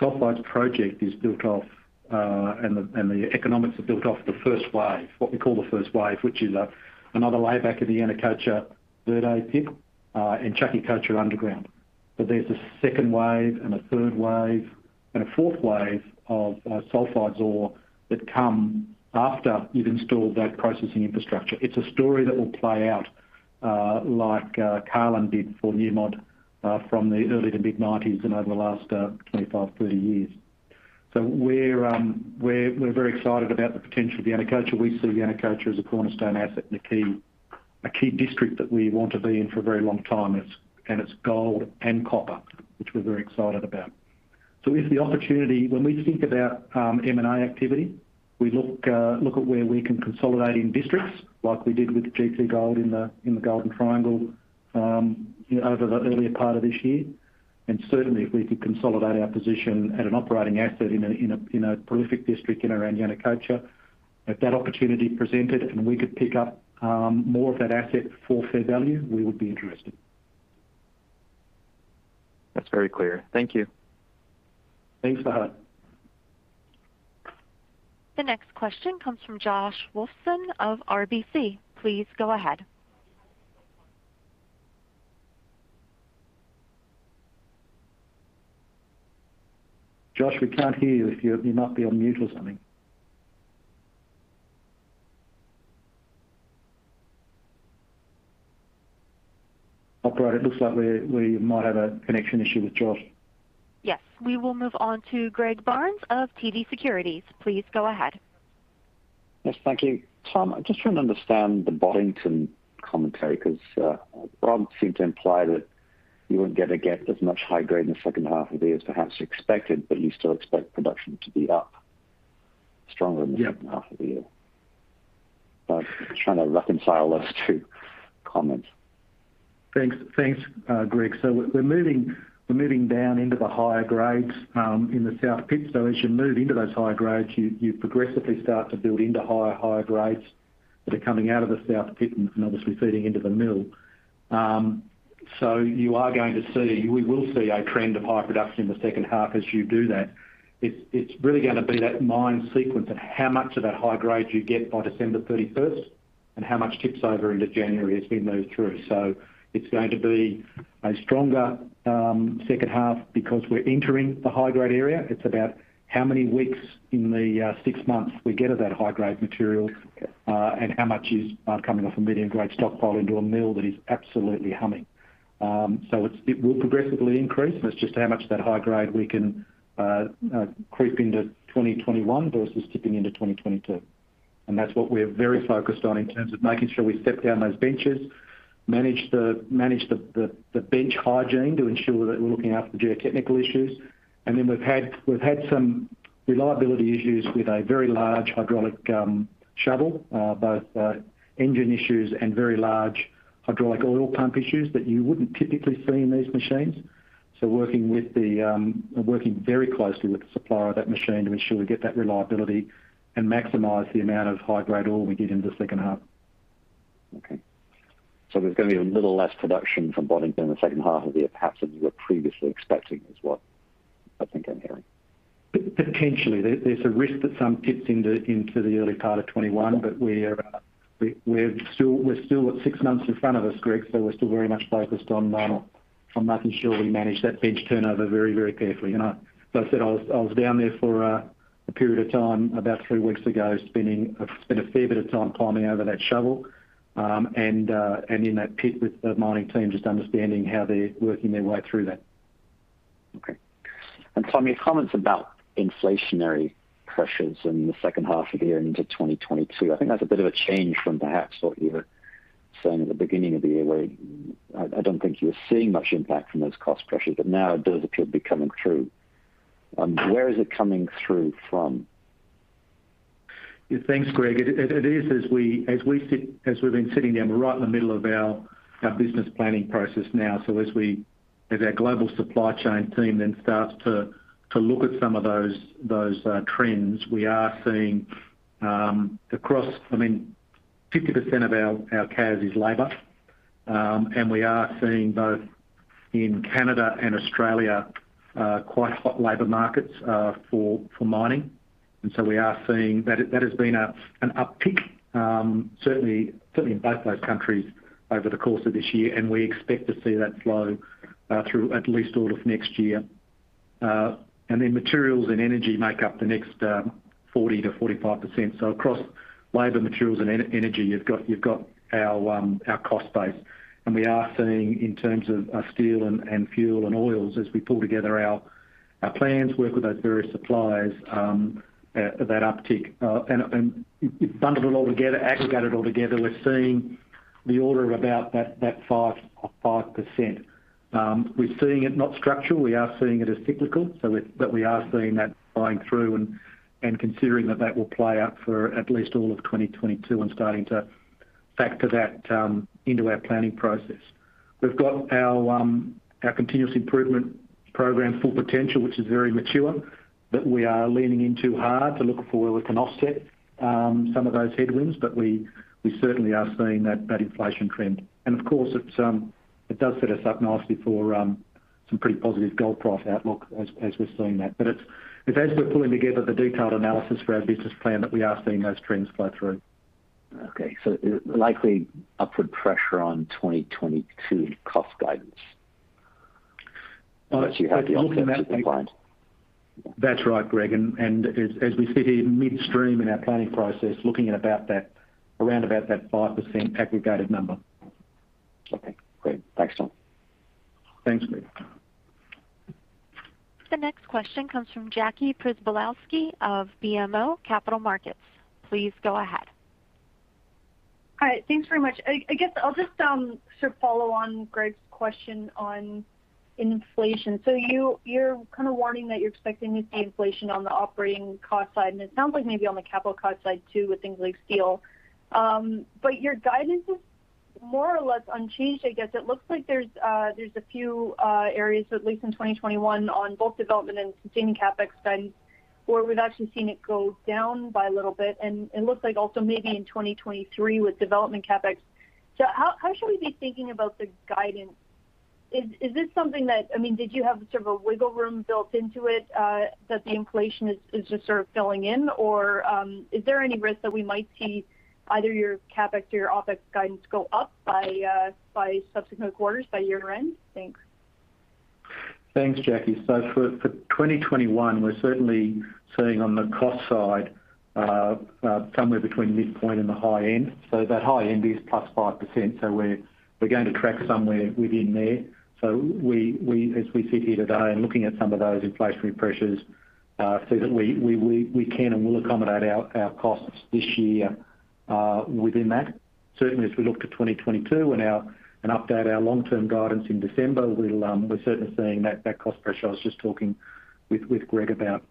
Sulfides project is built off, and the economics are built off the first wave, what we call the first wave, which is another layback of the Yanacocha Verde pit, and Chaquicocha underground. There's a second wave and a third wave and a fourth wave of sulfides ore that come after you've installed that processing infrastructure. It's a story that will play out like Carlin did for Newmont, from the early to mid-'90s and over the last 25, 30 years. We're very excited about the potential of Yanacocha. We see Yanacocha as a cornerstone asset and a key district that we want to be in for a very long time. It's gold and copper, which we're very excited about. If the opportunity, when we think about M&A activity, we look at where we can consolidate in districts like we did with GT Gold in the Golden Triangle over the earlier part of this year. Certainly, if we could consolidate our position at an operating asset in a prolific district in around Yanacocha, if that opportunity presented and we could pick up more of that asset for fair value, we would be interested. That's very clear. Thank you. Thanks for that. The next question comes from Josh Wolfson of RBC. Please go ahead. Josh, we can't hear you. You might be on mute or something. Operator, it looks like we might have a connection issue with Josh. Yes. We will move on to Greg Barnes of TD Securities. Please go ahead. Yes. Thank you. Tom, I just want to understand the Boddington commentary. Rob seemed to imply that you won't be able to get as much high grade in the second half of the year as perhaps expected, you still expect production to be up stronger? Yeah in the second half of the year. I'm trying to reconcile those two comments. Thanks, Greg. We're moving down into the higher grades in the south pit. As you move into those higher grades, you progressively start to build into higher grades that are coming out of the south pit and obviously feeding into the mill. You are going to see, we will see a trend of high production in the second half as you do that. It's really going to be that mine sequence of how much of that high grade you get by December 31st and how much tips over into January as we move through. It's going to be a stronger second half because we're entering the high-grade area. It's about how many weeks in the 6 months we get of that high-grade material and how much is coming off a medium-grade stockpile into a mill that is absolutely humming. It will progressively increase, and it's just how much of that high grade we can creep into 2021 versus tipping into 2022. That's what we're very focused on in terms of making sure we step down those benches, manage the bench hygiene to ensure that we're looking after geotechnical issues. Then we've had some reliability issues with a very large hydraulic shovel, both engine issues and very large hydraulic oil pump issues that you wouldn't typically see in these machines. Working very closely with the supplier of that machine to ensure we get that reliability and maximize the amount of high-grade ore we get in the second half. Okay. There's going to be a little less production from Boddington in the second half of the year, perhaps, than you were previously expecting, is what I think I'm hearing? Potentially. There's a risk that some tips into the early part of 2021, but we're still at six months in front of us, Greg, so we're still very much focused on. I'm making sure we manage that bench turnover very carefully. As I said, I was down there for a period of time about three weeks ago, spent a fair bit of time climbing over that shovel, and in that pit with the mining team, just understanding how they're working their way through that. Okay. Tom, your comments about inflationary pressures in the second half of the year into 2022, I think that's a bit of a change from perhaps what you were saying at the beginning of the year, where I don't think you were seeing much impact from those cost pressures, but now it does appear to be coming through. Where is it coming through from? Thanks, Greg. It is as we've been sitting down, we're right in the middle of our business planning process now. As our global supply chain team starts to look at some of those trends, 50% of our CAS is labor. We are seeing both in Canada and Australia, quite hot labor markets for mining. We are seeing that has been an uptick, certainly in both those countries over the course of this year. We expect to see that flow through at least all of next year. Materials and energy make up the next 40%-45%. Across labor, materials and energy, you've got our cost base. We are seeing in terms of our steel and fuel and oils, as we pull together our plans, work with those various suppliers, that uptick. You bundle it all together, aggregate it all together, we're seeing the order of about that 5%. We're seeing it not structural. We are seeing it as cyclical. But we are seeing that flowing through and considering that that will play out for at least all of 2022 and starting to factor that into our planning process. We've got our continuous improvement program, Full Potential, which is very mature, that we are leaning into hard to look for where we can offset some of those headwinds. But we certainly are seeing that inflation trend. Of course, it does set us up nicely for some pretty positive gold price outlook as we're seeing that. But it's as we're pulling together the detailed analysis for our business plan that we are seeing those trends flow through. Okay. Likely upward pressure on 2022 cost guidance. That's right, Greg. As we sit here midstream in our planning process, looking at around about that 5% aggregated number. Okay, great. Thanks, Tom. Thanks, Greg. The next question comes from Jackie Przybylowski of BMO Capital Markets. Please go ahead. Hi. Thanks very much. I guess I'll just follow on Greg's question on inflation. You're kind of warning that you're expecting to see inflation on the operating cost side, and it sounds like maybe on the capital cost side too, with things like steel. Your guidance is more or less unchanged, I guess. It looks like there's a few areas, at least in 2021, on both development and sustaining CapEx spend, where we've actually seen it go down by a little bit, and it looks like also maybe in 2023 with development CapEx. How should we be thinking about the guidance? Is this something that did you have the sort of a wiggle room built into it, that the inflation is just sort of filling in? Is there any risk that we might see either your CapEx or your OpEx guidance go up by subsequent quarters, by year-end? Thanks. Thanks, Jackie. For 2021, we're certainly seeing on the cost side, somewhere between midpoint and the high end. That high end is +5%, so we're going to track somewhere within there. As we sit here today and looking at some of those inflationary pressures, I figure we can and will accommodate our costs this year within that. Certainly as we look to 2022 and update our long-term guidance in December, we're certainly seeing that cost pressure I was just talking with Greg about.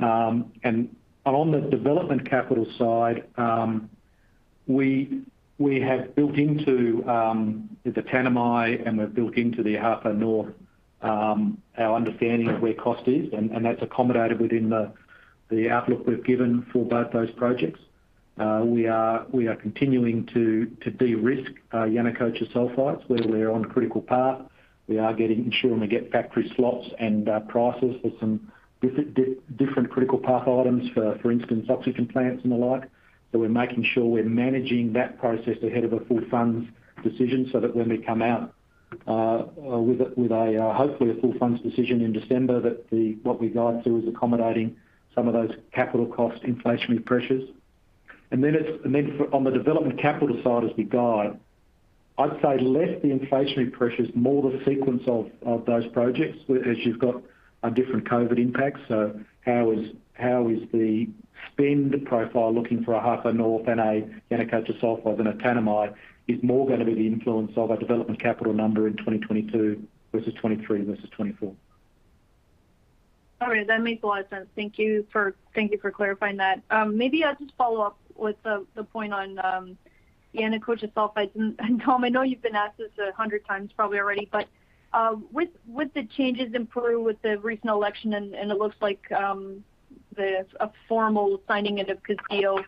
On the development capital side, we have built into the Tanami, and we've built into the Ahafo North our understanding of where cost is, and that's accommodated within the outlook we've given for both those projects. We are continuing to de-risk Yanacocha Sulfides, where we're on critical path. We are ensuring we get factory slots and prices for some different critical path items, for instance, oxygen plants and the like. We're making sure we're managing that process ahead of a full fund's decision so that when we come out with, hopefully, a full fund's decision in December, that what we guide to is accommodating some of those capital cost inflationary pressures. On the development capital side as we guide, I'd say less the inflationary pressures, more the sequence of those projects, as you've got different COVID impacts. How is the spend profile looking for Ahafo North and a Yanacocha Sulfides than a Tanami is more going to be the influence of our development capital number in 2022 versus 2023 versus 2024. All right. That makes a lot of sense. Thank you for clarifying that. Maybe I'll just follow up with the point on Yanacocha Sulfides. Tom, I know you've been asked this 100x probably already, but with the changes in Peru, with the recent election, and it looks like a formal signing of Castillo,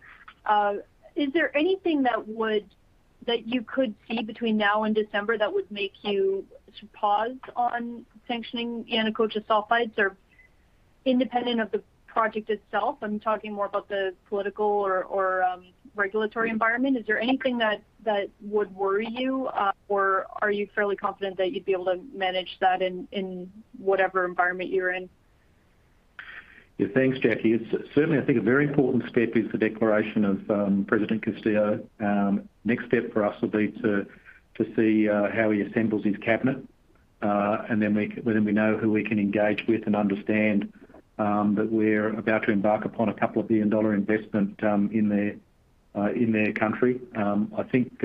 is there anything that you could see between now and December that would make you pause on sanctioning Yanacocha Sulfides? Independent of the project itself, I'm talking more about the political or regulatory environment. Is there anything that would worry you? Are you fairly confident that you'd be able to manage that in whatever environment you're in? Yeah. Thanks, Jackie. Certainly, I think a very important step is the declaration of President Castillo. Next step for us will be to see how he assembles his cabinet, and then we know who we can engage with and understand that we're about to embark upon a couple of billion-dollar investment in their country. I think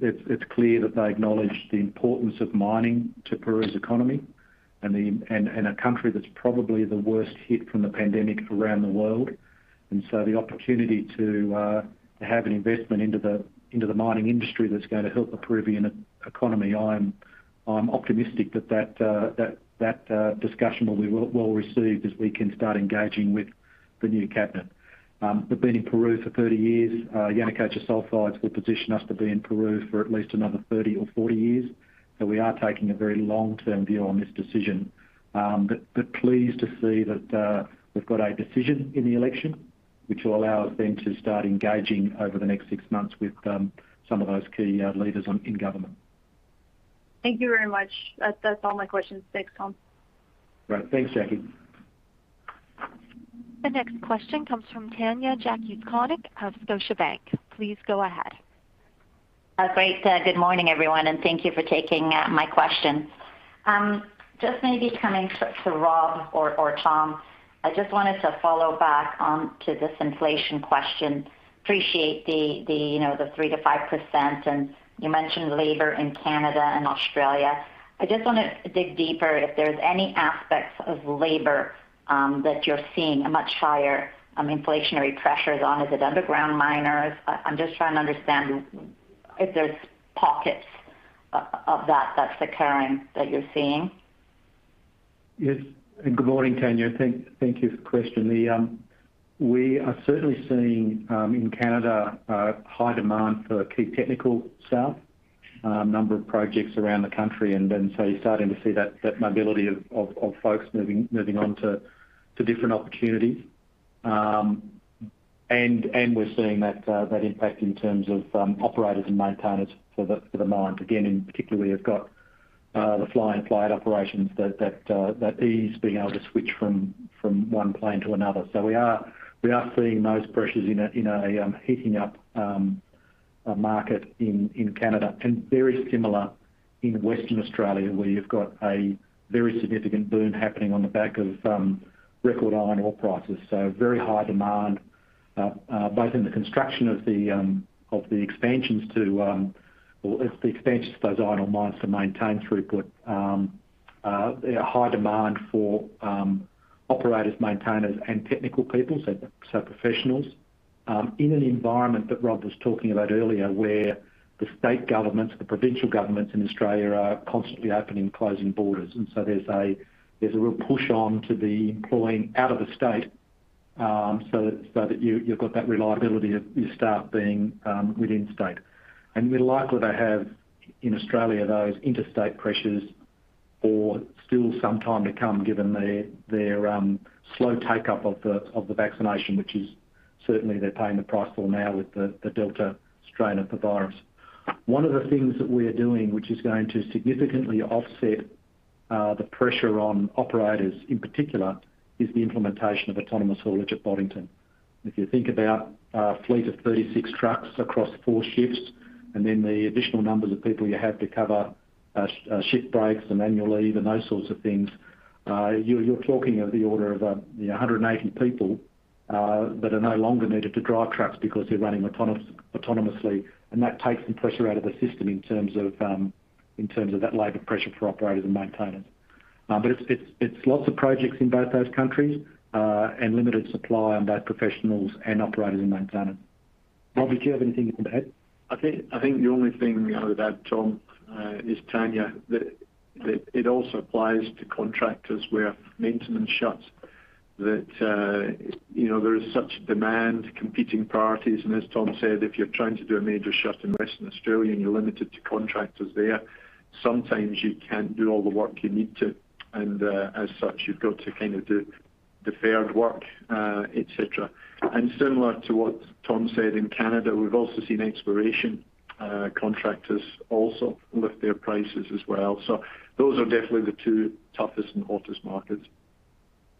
it's clear that they acknowledge the importance of mining to Peru's economy, and a country that's probably the worst hit from the pandemic around the world. So the opportunity to have an investment into the mining industry that's going to help the Peruvian economy, I'm optimistic that that discussion will be well-received as we can start engaging with the new cabinet. We've been in Peru for 30 years. Yanacocha Sulfides will position us to be in Peru for at least another 30 or 40 years. We are taking a very long-term view on this decision. Pleased to see that we've got a decision in the election, which will allow us then to start engaging over the next six months with some of those key leaders in government. Thank you very much. That's all my questions. Thanks, Tom. Right. Thanks, Jackie. The next question comes from Tanya Jakusconek of Scotiabank. Please go ahead. Great. Good morning, everyone. Thank you for taking my question. Maybe coming to Rob or Tom, I wanted to follow back onto this inflation question. Appreciate the 3%-5%. You mentioned labor in Canada and Australia. I want to dig deeper if there's any aspects of labor that you're seeing a much higher inflationary pressures on. Is it underground miners? I'm trying to understand if there's pockets of that that's occurring, that you're seeing. Yes. Good morning, Tanya. Thank you for the question. We are certainly seeing, in Canada, a high demand for key technical staff, a number of projects around the country, you're starting to see that mobility of folks moving on to different opportunities. We're seeing that impact in terms of operators and maintainers for the mines. Again, in particular, you've got the fly-in fly-out operations, that ease of being able to switch from one plane to another. We are seeing those pressures in a heating-up market in Canada. Very similar in Western Australia, where you've got a very significant boom happening on the back of record iron ore prices. Very high demand, both in the construction of the expansions to those iron ore mines to maintain throughput. High demand for operators, maintainers, and technical people, so professionals, in an environment that Rob was talking about earlier, where the state governments, the provincial governments in Australia, are constantly opening and closing borders. So there's a real push on to the employing out of the state, so that you've got that reliability of your staff being within state. We're likely to have, in Australia, those interstate pressures for still some time to come, given their slow take-up of the vaccination, which is certainly they're paying the price for now with the Delta strain of the virus. One of the things that we're doing, which is going to significantly offset the pressure on operators in particular, is the implementation of autonomous haulage at Boddington. If you think about a fleet of 36 trucks across four shifts, and then the additional numbers of people you have to cover shift breaks and annual leave and those sorts of things, you're talking of the order of 180 people that are no longer needed to drive trucks because they're running autonomously. That takes some pressure out of the system in terms of that labor pressure for operators and maintainers. It's lots of projects in both those countries, and limited supply on both professionals and operators and maintainers. Rob, did you have anything to add? I think the only thing to add, Tom, is, Tanya, that it also applies to contractors where maintenance shuts. That there is such demand, competing priorities, and as Tom said, if you're trying to do a major shut in Western Australia and you're limited to contractors there, sometimes you can't do all the work you need to. As such, you've got to do deferred work, et cetera. Similar to what Tom said, in Canada, we've also seen exploration contractors also lift their prices as well. Those are definitely the two toughest and hottest markets.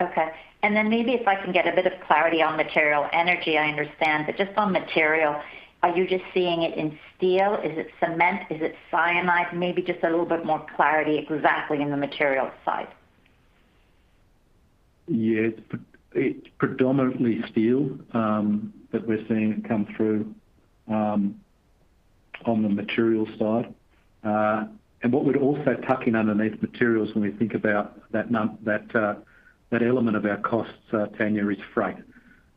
Okay. Maybe if I can get a bit of clarity on material. Energy, I understand, but just on material, are you just seeing it in steel? Is it cement? Is it cyanide? Maybe just a little bit more clarity exactly in the material side. Yeah. It's predominantly steel that we're seeing come through on the material side. What we'd also tuck in underneath materials when we think about that element of our costs, Tanya, is freight.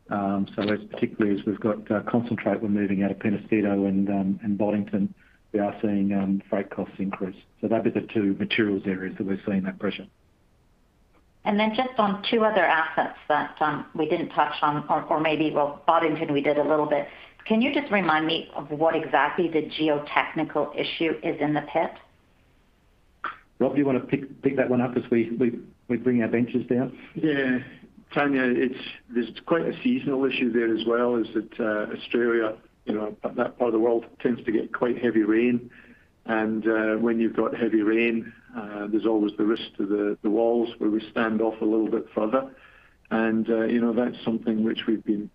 Particularly as we've got concentrate we're moving out of Penasquito and Boddington, we are seeing freight costs increase. That'd be the two materials areas that we're seeing that pressure. Then just on two other assets that we didn't touch on, or maybe, well, Boddington, we did a little bit. Can you just remind me of what exactly the geotechnical issue is in the pit? Rob, do you want to pick that one up as we bring our benches down? Yeah. Tanya, there's quite a seasonal issue there as well, is that Australia, that part of the world tends to get quite heavy rain. When you've got heavy rain, there's always the risk to the walls where we stand off a little bit further. That's something which we've been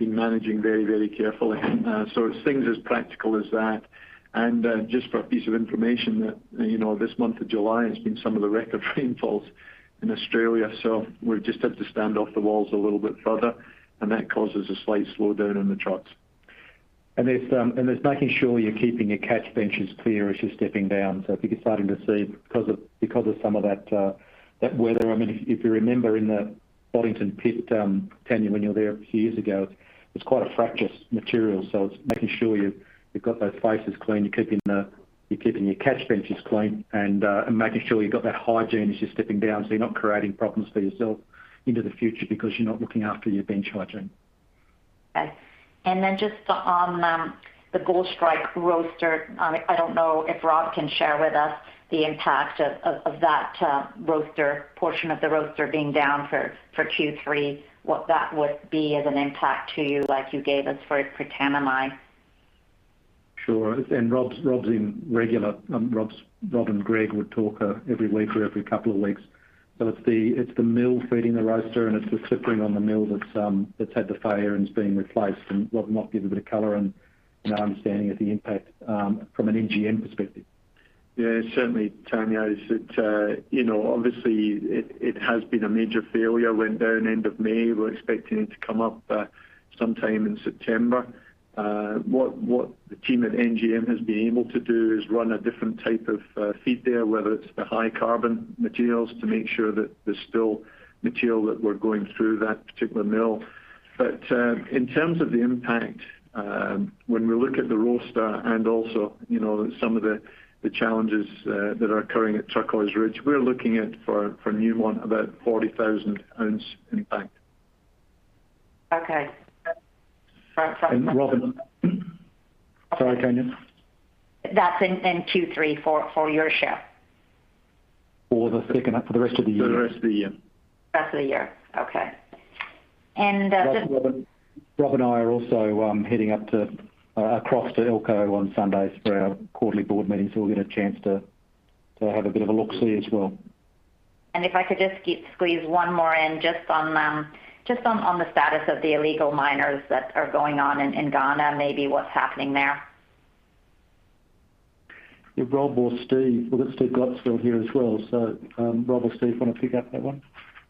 managing very carefully. It's things as practical as that. Just for a piece of information that, this month of July has been some of the record rainfalls in Australia. We've just had to stand off the walls a little bit further, and that causes a slight slowdown in the trucks. There's making sure you're keeping your catch benches clear as you're stepping down. I think you're starting to see because of some of that weather. If you remember in the Boddington pit, Tanya, when you were there a few years ago, it's quite a fractious material. It's making sure you've got those faces clean, you're keeping your catch benches clean, and making sure you've got that hygiene as you're stepping down so you're not creating problems for yourself into the future because you're not looking after your bench hygiene. Okay. Just on the Goldstrike roaster. I don't know if Rob can share with us the impact of that portion of the roaster being down for Q3, what that would be as an impact to you, like you gave us for Tamani. Sure. Rob and Greg would talk every week or every couple of weeks. It's the mill feeding the roaster, and it's a slippage on the mill that's had the failure and is being replaced. Rob might give a bit of color and an understanding of the impact from an NGM perspective. Yeah. Certainly, Tanya Jakusconek, obviously it has been a major failure. It went down end of May. We're expecting it to come up sometime in September. What the team at NGM has been able to do is run a different type of feed there, whether it's the high carbon materials, to make sure that there's still material that we're going through that particular mill. In terms of the impact, when we look at the roaster and also some of the challenges that are occurring at Turquoise Ridge, we're looking at, for Newmont, about 40,000 oz impact. Okay. Rob Sorry, Tanya? That's in Q3 for your share. For the rest of the year. For the rest of the year. Rest of the year. Okay. Rob and I are also heading up across to Elko on Sunday for our quarterly board meeting, so we'll get a chance to have a bit of a look-see as well. If I could just squeeze one more in, just on the status of the illegal miners that are going on in Ghana, maybe what's happening there? Yeah. Rob or Steve. We've got Steve Gottesfeld still here as well. Rob or Steve, want to pick up that one?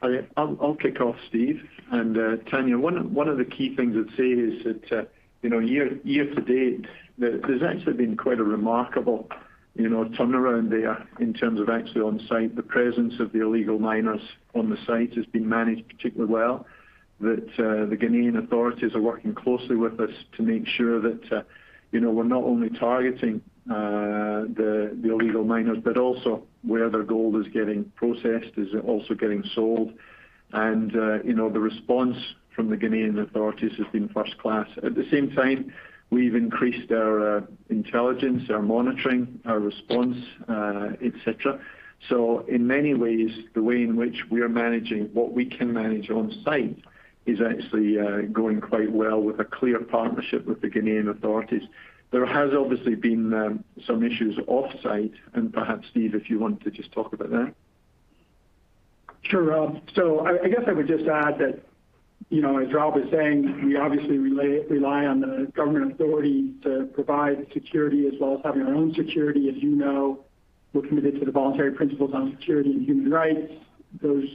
I'll kick off, Steve. Tanya, one of the key things I'd say is that year to date, there's actually been quite a remarkable turnaround there in terms of actually on site. The presence of the illegal miners on the site has been managed particularly well. The Ghanaian authorities are working closely with us to make sure that we're not only targeting the illegal miners, but also where their gold is getting processed, is it also getting sold? The response from the Ghanaian authorities has been first class. At the same time, we've increased our intelligence, our monitoring, our response, et cetera. In many ways, the way in which we are managing what we can manage on-site is actually going quite well with a clear partnership with the Ghanaian authorities. There has obviously been some issues offsite, and perhaps Steve, if you want to just talk about that. Sure, Rob. I guess I would just add that, as Rob is saying, we obviously rely on the government authority to provide security as well as having our own security. As you know, we're committed to the Voluntary Principles on Security and Human Rights. Those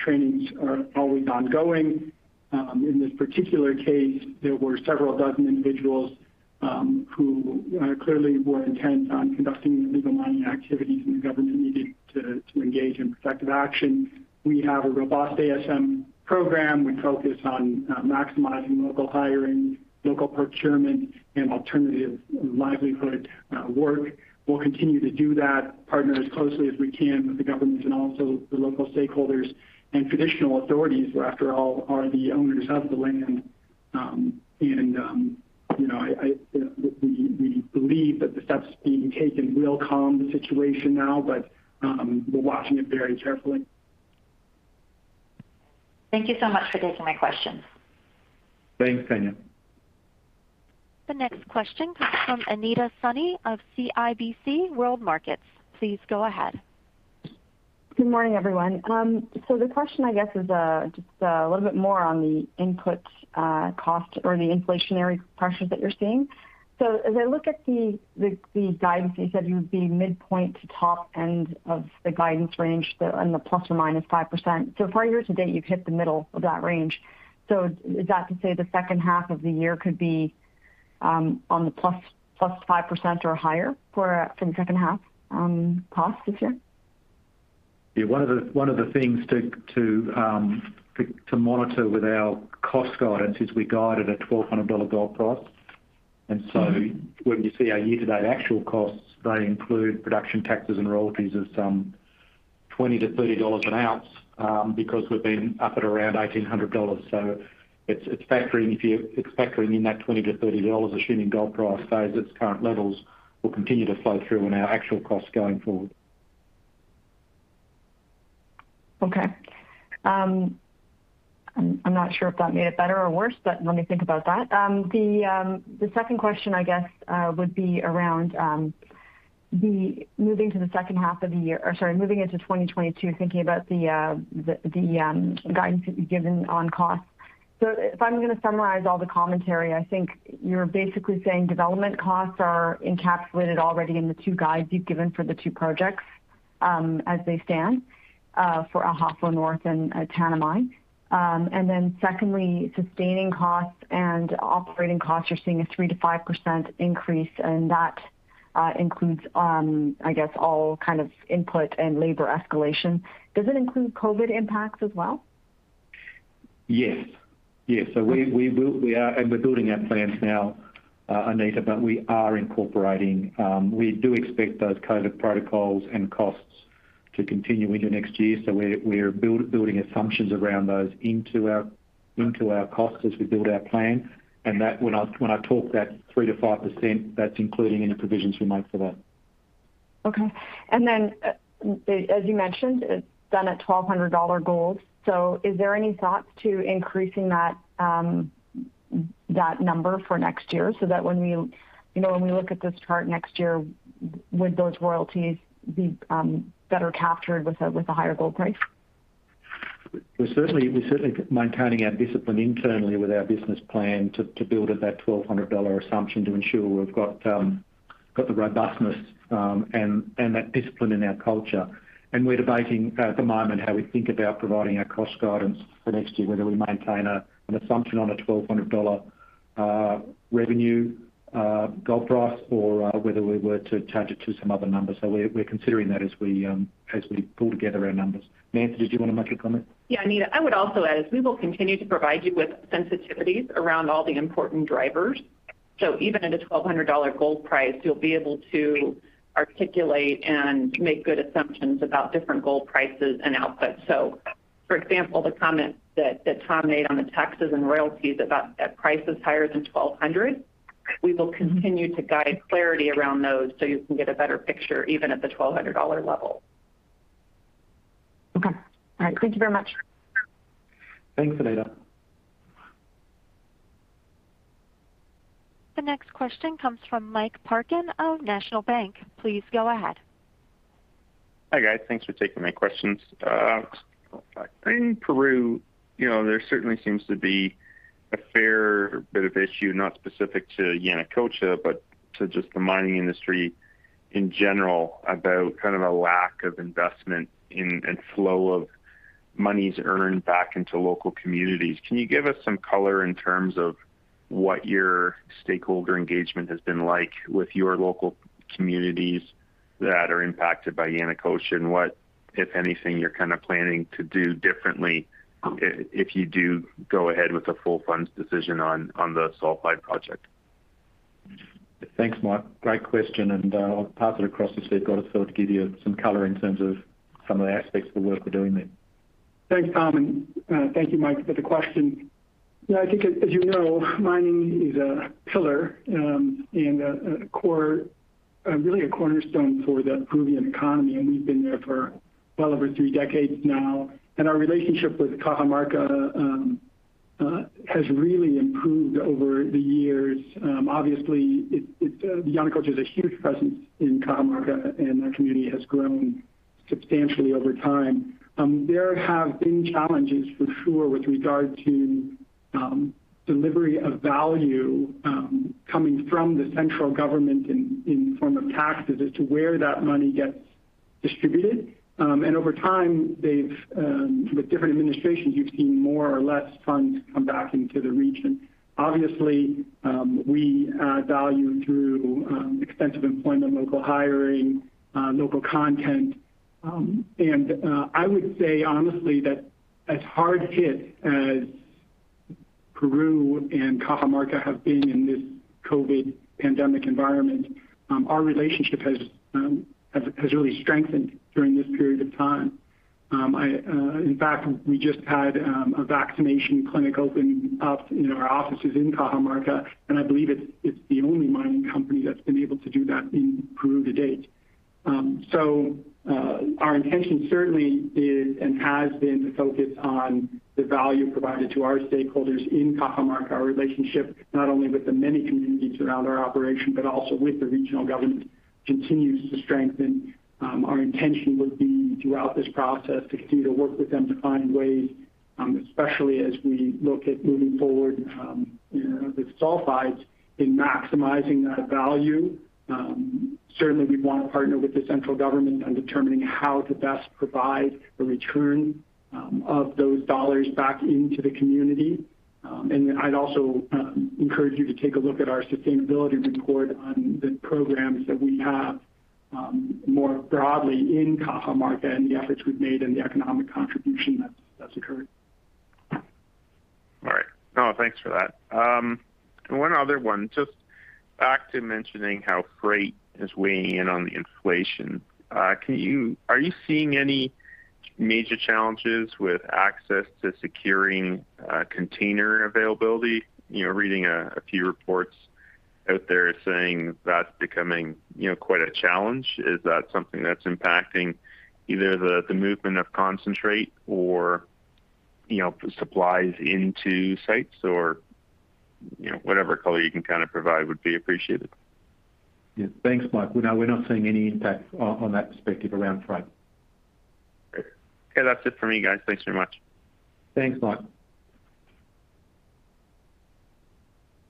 trainings are always ongoing. In this particular case, there were several dozen individuals who clearly were intent on conducting illegal mining activities, and the government needed to engage in protective action. We have a robust ASM program. We focus on maximizing local hiring, local procurement, and alternative livelihood work. We'll continue to do that, partner as closely as we can with the governments and also the local stakeholders and traditional authorities who, after all, are the owners of the land. We believe that the steps being taken will calm the situation now, but we're watching it very carefully. Thank you so much for taking my questions. Thanks, Tanya. The next question comes from Anita Soni of CIBC World Markets. Please go ahead. Good morning, everyone. The question, I guess, is just a little bit more on the input cost or the inflationary pressures that you're seeing. As I look at the guidance, you said you would be midpoint to top end of the guidance range, and the ±5%. For a year to date, you've hit the middle of that range. Is that to say the second half of the year could be on the +5% or higher for the second half costs this year? Yeah. One of the things to monitor with our cost guidance is we guided a $1,200 gold price. When you see our year-to-date actual costs, they include production taxes and royalties of some $20-$30 an ounce, because we've been up at around $1,800. It's factoring in that $20-$30, assuming gold price stays at its current levels, will continue to flow through in our actual costs going forward. I'm not sure if that made it better or worse, let me think about that. The second question, I guess, would be around moving to the second half of the year or sorry, moving into 2022, thinking about the guidance that you've given on costs. If I'm going to summarize all the commentary, I think you're basically saying development costs are encapsulated already in the two guides you've given for the two projects, as they stand, for Ahafo North and Tanami. Secondly, sustaining costs and operating costs, you're seeing a 3%-5% increase, and that includes, I guess, all kind of input and labor escalation. Does it include COVID impacts as well? Yes. We're building our plans now, Anita, but we are incorporating. We do expect those COVID protocols and costs to continue into next year. We're building assumptions around those into our costs as we build our plan. When I talk that 3%-5%, that's including any provisions we make for that. Okay. As you mentioned, it's done at $1,200 gold. Is there any thoughts to increasing that number for next year, so that when we look at this chart next year, would those royalties be better captured with a higher gold price? We're certainly maintaining our discipline internally with our business plan to build at that $1,200 assumption to ensure we've got the robustness and that discipline in our culture. We're debating at the moment how we think about providing our cost guidance for next year, whether we maintain an assumption on a $1,200 revenue gold price or whether we were to change it to some other number. We're considering that as we pull together our numbers. Nancy, did you want to make a comment? Yeah, Anita, I would also add, we will continue to provide you with sensitivities around all the important drivers. Even at a $1,200 gold price, you'll be able to articulate and make good assumptions about different gold prices and outputs. For example, the comment that Tom made on the taxes and royalties about at prices higher than $1,200, we will continue to guide clarity around those so you can get a better picture even at the $1,200 level. Okay. All right. Thank you very much. Thanks, Anita. The next question comes from Mike Parkin of National Bank. Please go ahead. Hi, guys. Thanks for taking my questions. In Peru, there certainly seems to be a fair bit of issue, not specific to Yanacocha, but to just the mining industry in general, about a lack of investment and flow of monies earned back into local communities. Can you give us some color in terms of what your stakeholder engagement has been like with your local communities that are impacted by Yanacocha, and what, if anything, you're planning to do differently if you do go ahead with the full funds decision on the Sulfide project? Thanks, Mike. Great question. I'll pass it across to Steve Gottesfeld to give you some color in terms of some of the aspects of the work we're doing there. Thanks, Tom, and thank you, Mike, for the question. I think as you know, mining is a pillar and really a cornerstone for the Peruvian economy, and we've been there for well over three decades now. Our relationship with Cajamarca has really improved over the years. Obviously, Yanacocha is a huge presence in Cajamarca, and our community has grown substantially over time. There have been challenges for sure with regard to delivery of value coming from the central government in form of taxes as to where that money gets distributed. Over time, with different administrations, you've seen more or less funds come back into the region. Obviously, we value through extensive employment, local hiring, local content. I would say honestly that as hard hit as Peru and Cajamarca have been in this COVID pandemic environment, our relationship has really strengthened during this period of time. In fact, we just had a vaccination clinic open up in our offices in Cajamarca, and I believe it's the only mining company that's been able to do that in Peru to date. Our intention certainly is and has been to focus on the value provided to our stakeholders in Cajamarca. Our relationship, not only with the many communities around our operation, but also with the regional government, continues to strengthen. Our intention would be throughout this process to continue to work with them to find ways, especially as we look at moving forward with Sulfides, in maximizing that value. Certainly, we'd want to partner with the central government on determining how to best provide the return of those dollars back into the community. I'd also encourage you to take a look at our sustainability report on the programs that we have more broadly in Cajamarca and the efforts we've made and the economic contribution that's occurred. All right. No, thanks for that. One other one, just back to mentioning how freight is weighing in on the inflation. Are you seeing any major challenges with access to securing container availability? Reading a few reports out there saying that is becoming quite a challenge. Is that something that is impacting either the movement of concentrate or supplies into sites or whatever color you can provide would be appreciated. Yeah. Thanks, Mike. No, we're not seeing any impact on that perspective around freight. Great. Okay, that's it for me, guys. Thanks very much. Thanks, Mike.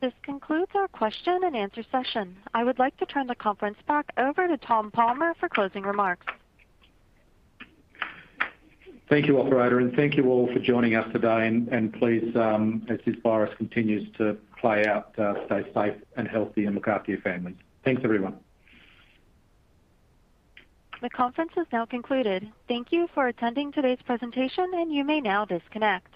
This concludes our question and answer session. I would like to turn the conference back over to Tom Palmer for closing remarks. Thank you, operator, and thank you all for joining us today, and please, as this virus continues to play out, stay safe and healthy and look after your families. Thanks, everyone. The conference is now concluded. Thank you for attending today's presentation, and you may now disconnect.